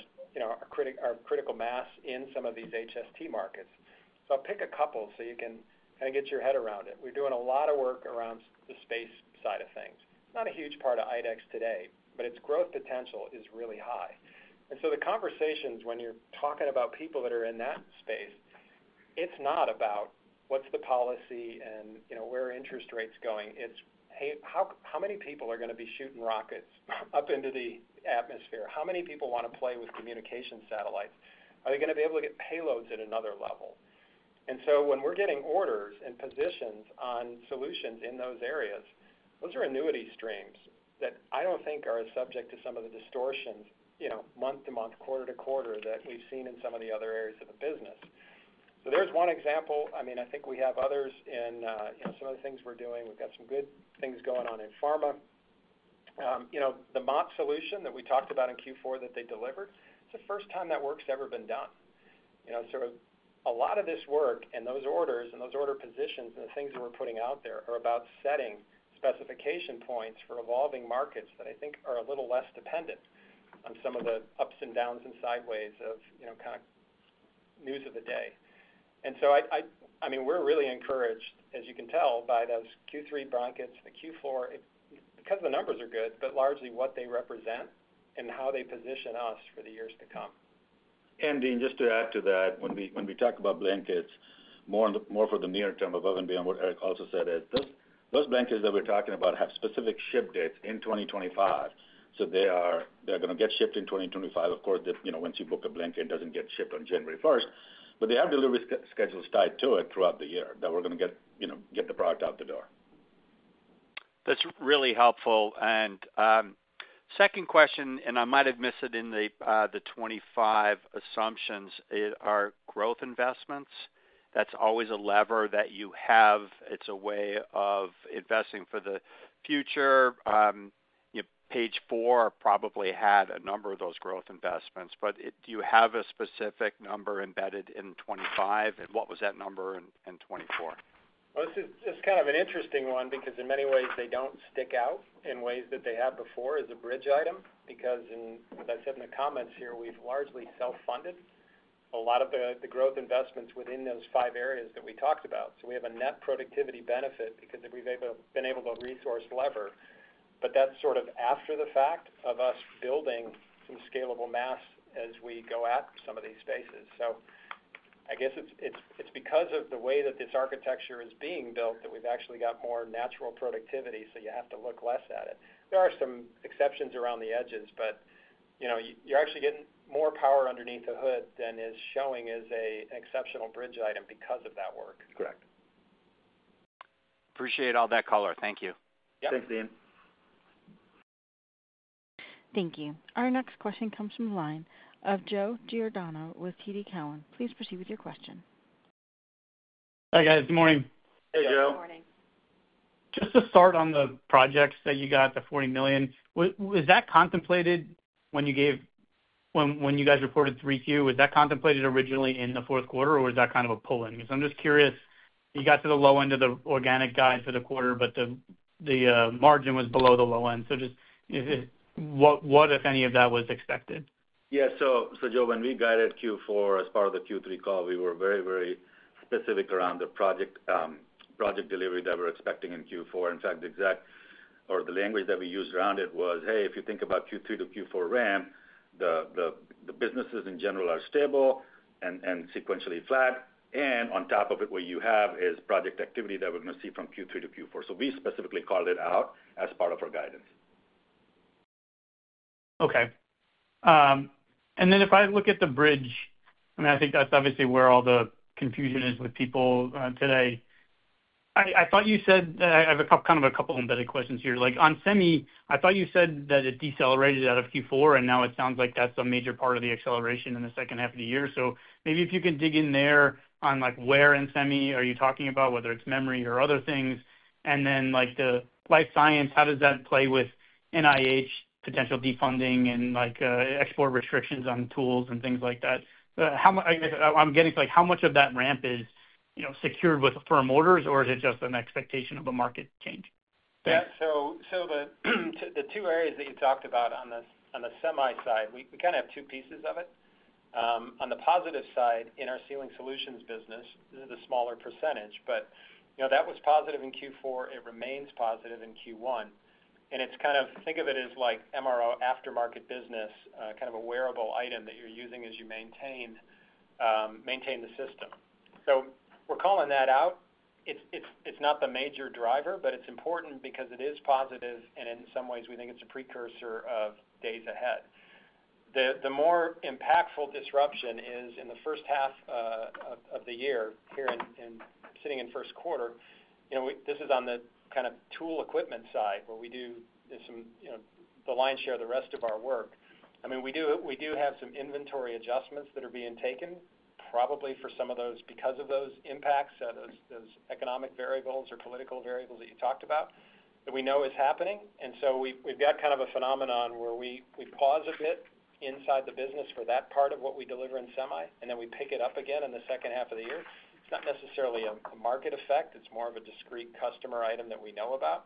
Speaker 3: critical mass in some of these HST markets, so I'll pick a couple so you can kind of get your head around it. We're doing a lot of work around the space side of things, not a huge part of IDEX today, but its growth potential is really high. And so the conversations, when you're talking about people that are in that space, it's not about what's the policy and where interest rates going. It's, "Hey, how many people are going to be shooting rockets up into the atmosphere? How many people want to play with communication satellites? Are they going to be able to get payloads at another level?" And so when we're getting orders and positions on solutions in those areas, those are annuity streams that I don't think are subject to some of the distortions month to month, quarter to quarter that we've seen in some of the other areas of the business. So there's one example. I mean, I think we have others in some of the things we're doing. We've got some good things going on in pharma. The Mott solution that we talked about in Q4 that they delivered, it's the first time that work's ever been done. So a lot of this work and those orders and those order positions and the things that we're putting out there are about setting specification points for evolving markets that I think are a little less dependent on some of the ups and downs and sideways of kind of news of the day, and so, I mean, we're really encouraged, as you can tell, by those Q3 blankets and the Q4 because the numbers are good, but largely what they represent and how they position us for the years to come.
Speaker 4: And Deane, just to add to that, when we talk about blankets, more for the near term above and beyond what Eric also said, those blankets that we're talking about have specific ship dates in 2025. So they're going to get shipped in 2025. Of course, once you book a blanket, it doesn't get shipped on January 1st. But they have delivery schedules tied to it throughout the year that we're going to get the product out the door.
Speaker 8: That's really helpful. And second question, and I might have missed it in the 2025 assumptions, are growth investments. That's always a lever that you have. It's a way of investing for the future. Page four probably had a number of those growth investments. But do you have a specific number embedded in 2025? And what was that number in 2024?
Speaker 3: Well, this is just kind of an interesting one because in many ways, they don't stick out in ways that they had before as a bridge item. Because, as I said in the comments here, we've largely self-funded a lot of the growth investments within those five areas that we talked about. So we have a net productivity benefit because we've been able to resource lever. But that's sort of after the fact of us building some scalable mass as we go at some of these spaces. So I guess it's because of the way that this architecture is being built that we've actually got more natural productivity. So you have to look less at it. There are some exceptions around the edges, but you're actually getting more power underneath the hood than is showing as an exceptional bridge item because of that work.
Speaker 4: Correct.
Speaker 8: Appreciate all that color. Thank you.
Speaker 3: Thanks, Deane.
Speaker 1: Thank you. Our next question comes from the line of Joe Giordano with TD Cowen. Please proceed with your question.
Speaker 9: Hi, guys. Good morning.
Speaker 3: Hey, Joe.
Speaker 2: Good morning.
Speaker 9: Just to start on the projects that you got, the $40 million, was that contemplated when you guys reported 3Q? Was that contemplated originally in the fourth quarter, or was that kind of a pull-in? Because I'm just curious. You got to the low end of the organic guide for the quarter, but the margin was below the low end, so just what, if any, of that was expected?
Speaker 4: Yeah, so, Joe, when we guided Q4 as part of the Q3 call, we were very, very specific around the project delivery that we're expecting in Q4. In fact, the exact or the language that we used around it was, "Hey, if you think about Q3 to Q4 ramp, the businesses in general are stable and sequentially flat. And on top of it, what you have is project activity that we're going to see from Q3 to Q4." So we specifically called it out as part of our guidance.
Speaker 9: Okay. And then if I look at the bridge, I mean, I think that's obviously where all the confusion is with people today. I thought you said. I have kind of a couple embedded questions here. On semi, I thought you said that it decelerated out of Q4, and now it sounds like that's a major part of the acceleration in the second half of the year. So maybe if you can dig in there on where in semi are you talking about, whether it's memory or other things. And then the life science, how does that play with NIH potential defunding and export restrictions on tools and things like that? I'm getting to how much of that ramp is secured with firm orders, or is it just an expectation of a market change?
Speaker 3: Yeah. So the two areas that you talked about on the semi side, we kind of have two pieces of it. On the positive side, in our Sealing Solutions business, this is a smaller percentage, but that was positive in Q4. It remains positive in Q1. And it's kind of think of it as like MRO aftermarket business, kind of a wearable item that you're using as you maintain the system. So we're calling that out. It's not the major driver, but it's important because it is positive, and in some ways, we think it's a precursor of days ahead. The more impactful disruption is in the first half of the year here, sitting in first quarter. This is on the kind of tool equipment side where we do some of the lion's share of the rest of our work. I mean, we do have some inventory adjustments that are being taken probably for some of those because of those impacts, those economic variables or political variables that you talked about that we know is happening. And so we've got kind of a phenomenon where we pause a bit inside the business for that part of what we deliver in semi, and then we pick it up again in the second half of the year. It's not necessarily a market effect. It's more of a discrete customer item that we know about.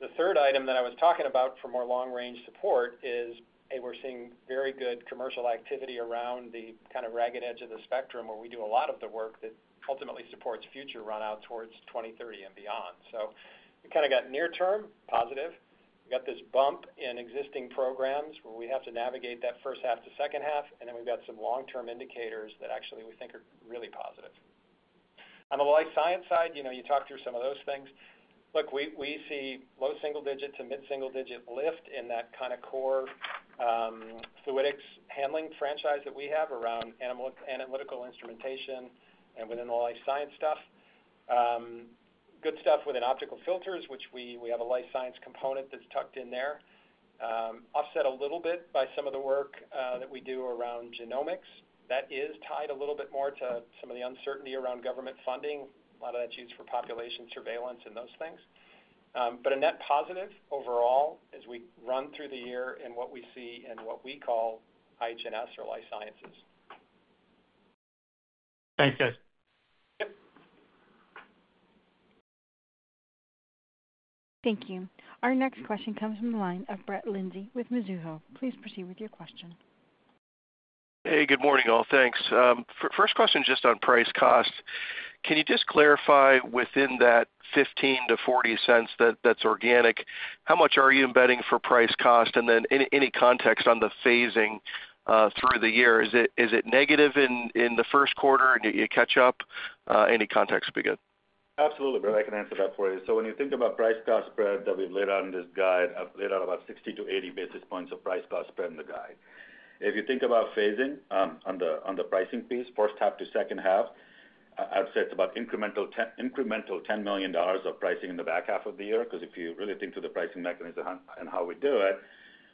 Speaker 3: The third item that I was talking about for more long-range support is, hey, we're seeing very good commercial activity around the kind of ragged edge of the spectrum where we do a lot of the work that ultimately supports future run-out towards 2030 and beyond. So we kind of got near-term positive. We got this bump in existing programs where we have to navigate that first half to second half. And then we've got some long-term indicators that actually we think are really positive. On the life science side, you talked through some of those things. Look, we see low single digit to mid-single digit lift in that kind of core fluidics handling franchise that we have around analytical instrumentation and within the life science stuff. Good stuff within optical filters, which we have a life science component that's tucked in there. Offset a little bit by some of the work that we do around genomics. That is tied a little bit more to some of the uncertainty around government funding. A lot of that's used for population surveillance and those things. But a net positive overall as we run through the year in what we see and what we call IH&S or life sciences.
Speaker 9: Thanks, guys.
Speaker 1: Thank you. Our next question comes from the line of Brett Linzey with Mizuho. Please proceed with your question.
Speaker 10: Hey, good morning, all. Thanks. First question just on price cost. Can you just clarify within that $0.15-$0.40 that's organic, how much are you embedding for price cost? And then any context on the phasing through the year? Is it negative in the first quarter and you catch up? Any context would be good.
Speaker 4: Absolutely, Brett. I can answer that for you. So when you think about price cost spread that we've laid out in this guide, I've laid out about 60-80 basis points of price cost spread in the guide. If you think about phasing on the pricing piece, first half to second half, I'd say it's about incremental $10 million of pricing in the back half of the year. Because if you really think through the pricing mechanism and how we do it,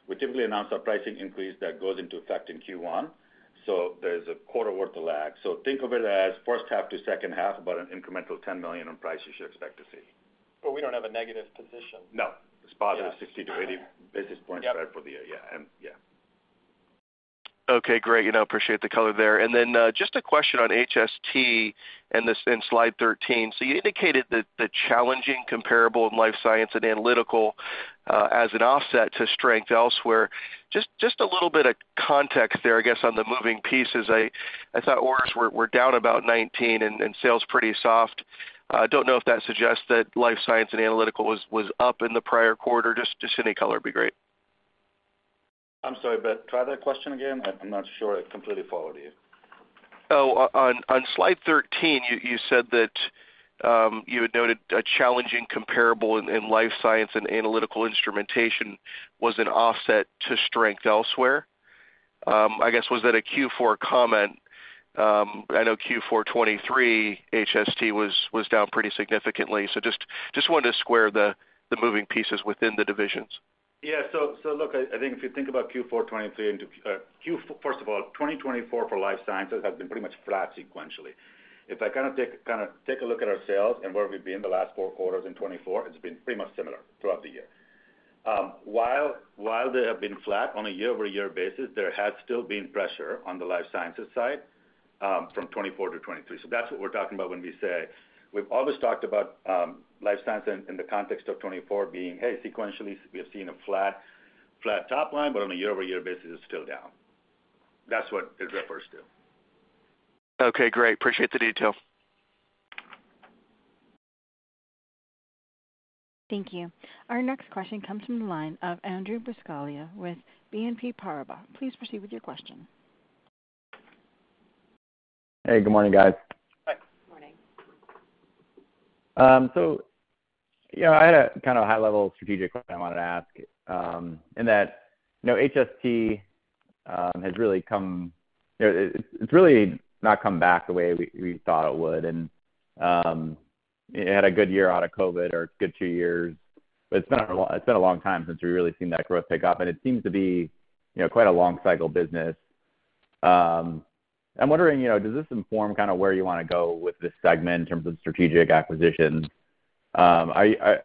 Speaker 4: we typically announce a pricing increase that goes into effect in Q1. So there's a quarter worth of lag. So think of it as first half to second half, but an incremental $10 million in price you should expect to see.
Speaker 3: But we don't have a negative position.
Speaker 4: No. It's positive. 60-80 basis points spread for the year. Yeah. Yeah.
Speaker 10: Okay. Great. I appreciate the color there. And then just a question on HST and slide 13. So you indicated that the challenging comparable life science and analytical as an offset to strength elsewhere. Just a little bit of context there, I guess, on the moving pieces. I thought orders were down about 19 and sales pretty soft. I don't know if that suggests that life science and analytical was up in the prior quarter. Just any color would be great.
Speaker 4: I'm sorry, but try that question again. I'm not sure I completely followed you.
Speaker 10: Oh, on slide 13, you said that you had noted a challenging comparable in life science and analytical instrumentation was an offset to strength elsewhere. I guess, was that a Q4 comment? I know Q4 2023, HST was down pretty significantly. So just wanted to square the moving pieces within the divisions.
Speaker 4: Yeah. So look, I think if you think about Q4 2023, first of all, 2024 for life sciences has been pretty much flat sequentially. If I kind of take a look at our sales and where we've been the last four quarters in 2024, it's been pretty much similar throughout the year. While they have been flat on a year-over-year basis, there has still been pressure on the life sciences side from 2024 to 2023. So that's what we're talking about when we say we've always talked about life science in the context of 2024 being, hey, sequentially, we've seen a flat top line, but on a year-over-year basis, it's still down. That's what it refers to.
Speaker 10: Okay. Great. Appreciate the detail.
Speaker 1: Thank you. Our next question comes from the line of Andrew Buscaglia with BNP Paribas. Please proceed with your question.
Speaker 11: Hey, good morning, guys. So, I had a kind of high-level strategic question I wanted to ask, in that HST has really come, it's really not come back the way we thought it would, and it had a good year out of COVID or a good two years, but it's been a long time since we really seen that growth pick up, and it seems to be quite a long-cycle business. I'm wondering, does this inform kind of where you want to go with this segment in terms of strategic acquisitions? Has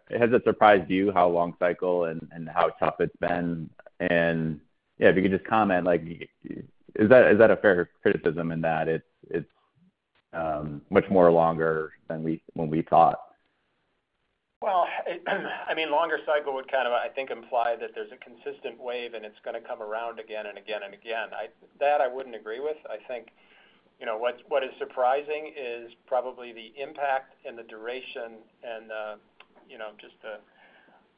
Speaker 11: it surprised you how long-cycle and how tough it's been? And if you could just comment, is that a fair criticism in that it's much more longer than when we thought?
Speaker 3: Well, I mean, longer cycle would kind of, I think, imply that there's a consistent wave and it's going to come around again and again and again. That I wouldn't agree with. I think what is surprising is probably the impact and the duration and just the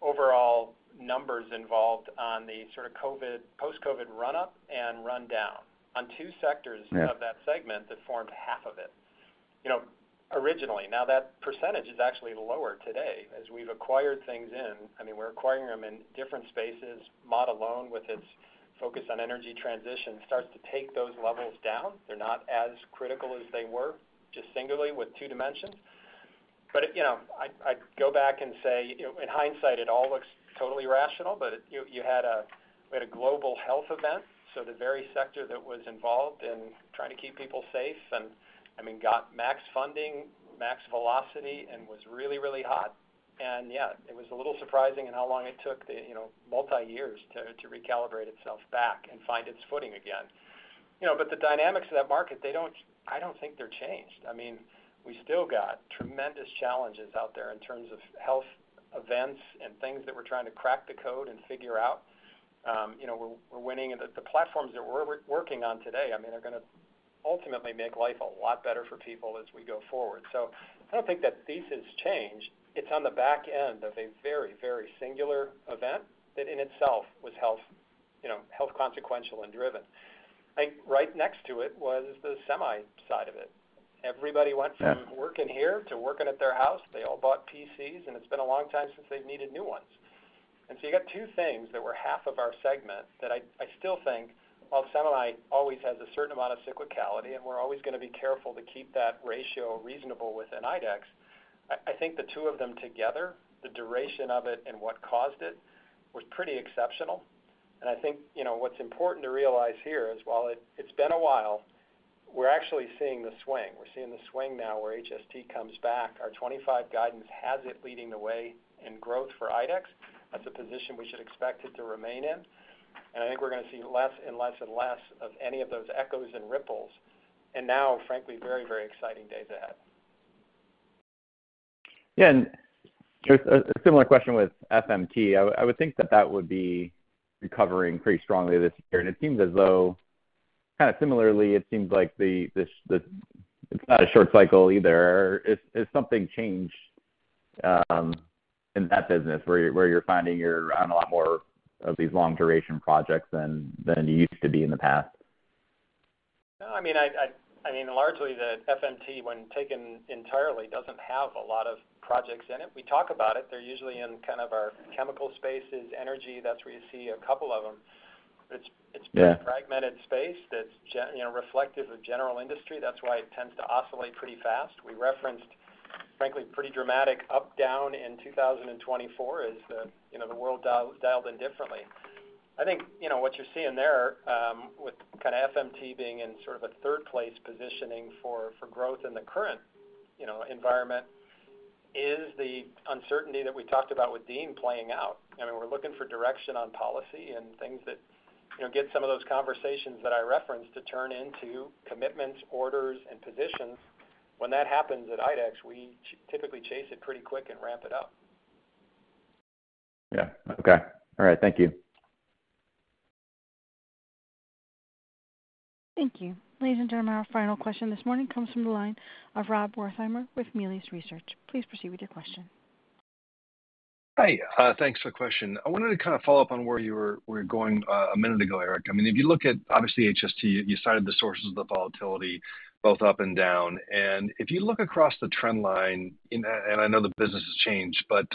Speaker 3: overall numbers involved on the sort of post-COVID run-up and rundown on two sectors of that segment that formed half of it originally. Now, that percentage is actually lower today. As we've acquired things in, I mean, we're acquiring them in different spaces. Mott alone with its focus on energy transition, starts to take those levels down. They're not as critical as they were just singly with two dimensions. But I'd go back and say, in hindsight, it all looks totally rational, but we had a global health event. So the very sector that was involved in trying to keep people safe and, I mean, got max funding, max velocity, and was really, really hot. Yeah, it was a little surprising in how long it took multi-years to recalibrate itself back and find its footing again. But the dynamics of that market, I don't think they're changed. I mean, we still got tremendous challenges out there in terms of health events and things that we're trying to crack the code and figure out. We're winning. The platforms that we're working on today, I mean, are going to ultimately make life a lot better for people as we go forward. So I don't think that thesis changed. It's on the back end of a very, very singular event that in itself was health consequential and driven. Right next to it was the semi side of it. Everybody went from working here to working at their house. They all bought PCs, and it's been a long time since they've needed new ones. And so you got two things that were half of our segment that I still think, while semi always has a certain amount of cyclicality, and we're always going to be careful to keep that ratio reasonable within IDEX. I think the two of them together, the duration of it and what caused it, was pretty exceptional. I think what's important to realize here is, while it's been a while, we're actually seeing the swing. We're seeing the swing now where HST comes back. Our 2025 guidance has it leading the way in growth for IDEX. That's a position we should expect it to remain in. I think we're going to see less and less and less of any of those echoes and ripples. And now, frankly, very, very exciting days ahead.
Speaker 11: Yeah. And a similar question with FMT. I would think that that would be recovering pretty strongly this year. And it seems as though, kind of similarly, it seems like it's not a short cycle either. Is something changed in that business where you're finding you're on a lot more of these long-duration projects than you used to be in the past?
Speaker 3: No. I mean, largely, the FMT, when taken entirely, doesn't have a lot of projects in it. We talk about it. They're usually in kind of our chemical spaces, energy. That's where you see a couple of them. It's been a fragmented space that's reflective of general industry. That's why it tends to oscillate pretty fast. We referenced, frankly, pretty dramatic up-down in 2024 as the world dialed in differently. I think what you're seeing there with kind of FMT being in sort of a third-place positioning for growth in the current environment is the uncertainty that we talked about with Deane playing out. I mean, we're looking for direction on policy and things that get some of those conversations that I referenced to turn into commitments, orders, and positions. When that happens at IDEX, we typically chase it pretty quick and ramp it up.
Speaker 11: Yeah. Okay. All right. Thank you.
Speaker 1: Thank you. Ladies and gentlemen, our final question this morning comes from the line of Rob Wertheimer with Melius Research. Please proceed with your question.
Speaker 12: Hi. Thanks for the question. I wanted to kind of follow up on where you were going a minute ago, Eric. I mean, if you look at, obviously, HST, you cited the sources of the volatility both up and down. And if you look across the trend line, and I know the business has changed, but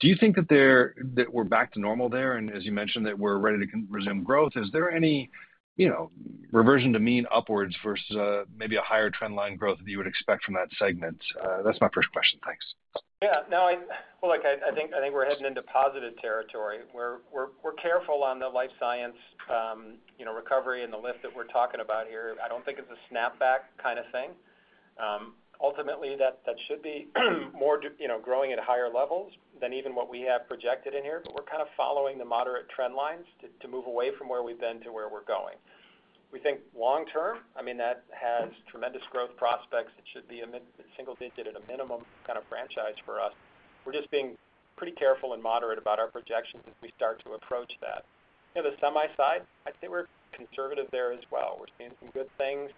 Speaker 12: do you think that we're back to normal there? And as you mentioned that we're ready to resume growth. Is there any reversion to mean upwards versus maybe a higher trend line growth that you would expect from that segment? That's my first question. Thanks.
Speaker 3: Yeah. No. Well, look, I think we're heading into positive territory. We're careful on the life science recovery and the lift that we're talking about here. I don't think it's a snapback kind of thing. Ultimately, that should be growing at higher levels than even what we have projected in here. But we're kind of following the moderate trend lines to move away from where we've been to where we're going. We think long-term, I mean, that has tremendous growth prospects. It should be a single digit at a minimum kind of franchise for us. We're just being pretty careful and moderate about our projections as we start to approach that. The semi side, I'd say we're conservative there as well. We're seeing some good things.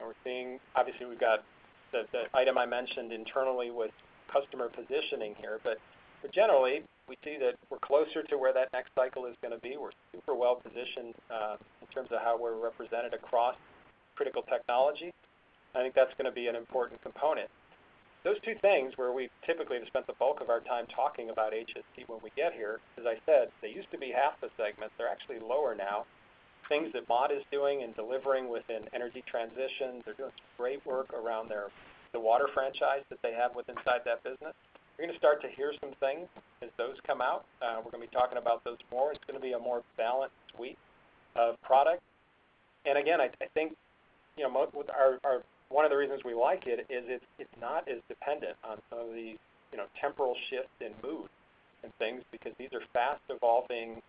Speaker 3: And we're seeing, obviously, we've got the item I mentioned internally with customer positioning here. But generally, we see that we're closer to where that next cycle is going to be. We're super well-positioned in terms of how we're represented across critical technology. I think that's going to be an important component. Those two things where we typically have spent the bulk of our time talking about HST when we get here, as I said, they used to be half the segment. They're actually lower now. Things that Mott is doing and delivering within energy transition, they're doing great work around the water franchise that they have with inside that business. You're going to start to hear some things as those come out. We're going to be talking about those more. It's going to be a more balanced suite of products. And again, I think one of the reasons we like it is it's not as dependent on some of the temporal shifts in mood and things because these are fast-evolving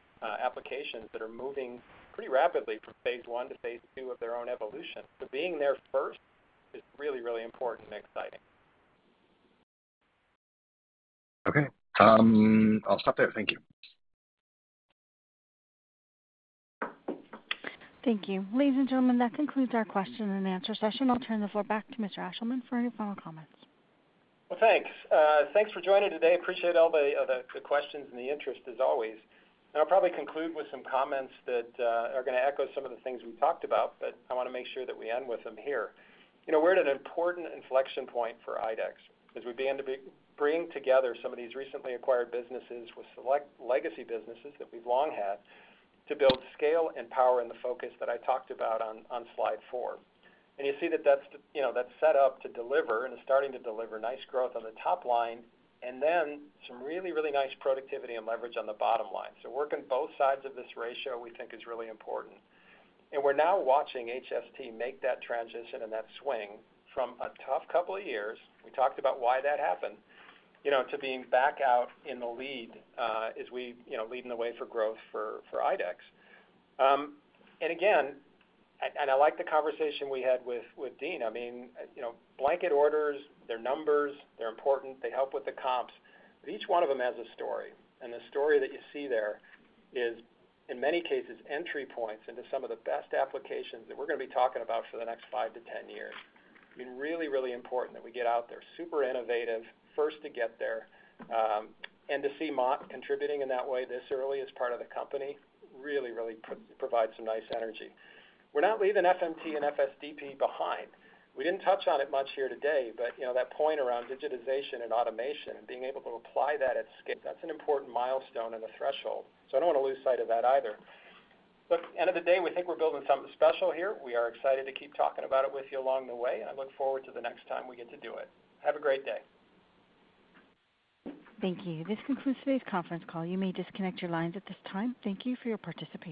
Speaker 3: applications that are moving pretty rapidly from phase one to phase two of their own evolution. So being there first is really, really important and exciting.
Speaker 12: Okay. I'll stop there. Thank you.
Speaker 1: Thank you. Ladies and gentlemen, that concludes our question-and-answer session. I'll turn the floor back to Mr. Ashleman for any final comments.
Speaker 3: Well, thanks. Thanks for joining today. Appreciate all the questions and the interest as always. And I'll probably conclude with some comments that are going to echo some of the things we talked about, but I want to make sure that we end with them here. We're at an important inflection point for IDEX as we begin to bring together some of these recently acquired businesses with select legacy businesses that we've long had to build scale and power in the focus that I talked about on slide four. And you see that that's set up to deliver and is starting to deliver nice growth on the top line and then some really, really nice productivity and leverage on the bottom line. So working both sides of this ratio, we think, is really important. And we're now watching HST make that transition and that swing from a tough couple of years - we talked about why that happened - to being back out in the lead as we leading the way for growth for IDEX. And again, and I like the conversation we had with Deane. I mean, blanket orders, their numbers, they're important. They help with the comps. But each one of them has a story. And the story that you see there is, in many cases, entry points into some of the best applications that we're going to be talking about for the next five to 10 years. I mean, really, really important that we get out there. Super innovative, first to get there. And to see Mott contributing in that way this early as part of the company really, really provides some nice energy. We're not leaving FMT and FSDP behind. We didn't touch on it much here today, but that point around digitization and automation and being able to apply that at scale, that's an important milestone and a threshold. So I don't want to lose sight of that either. Look, at the end of the day, we think we're building something special here. We are excited to keep talking about it with you along the way. And I look forward to the next time we get to do it. Have a great day.
Speaker 1: Thank you. This concludes today's conference call. You may disconnect your lines at this time. Thank you for your participation.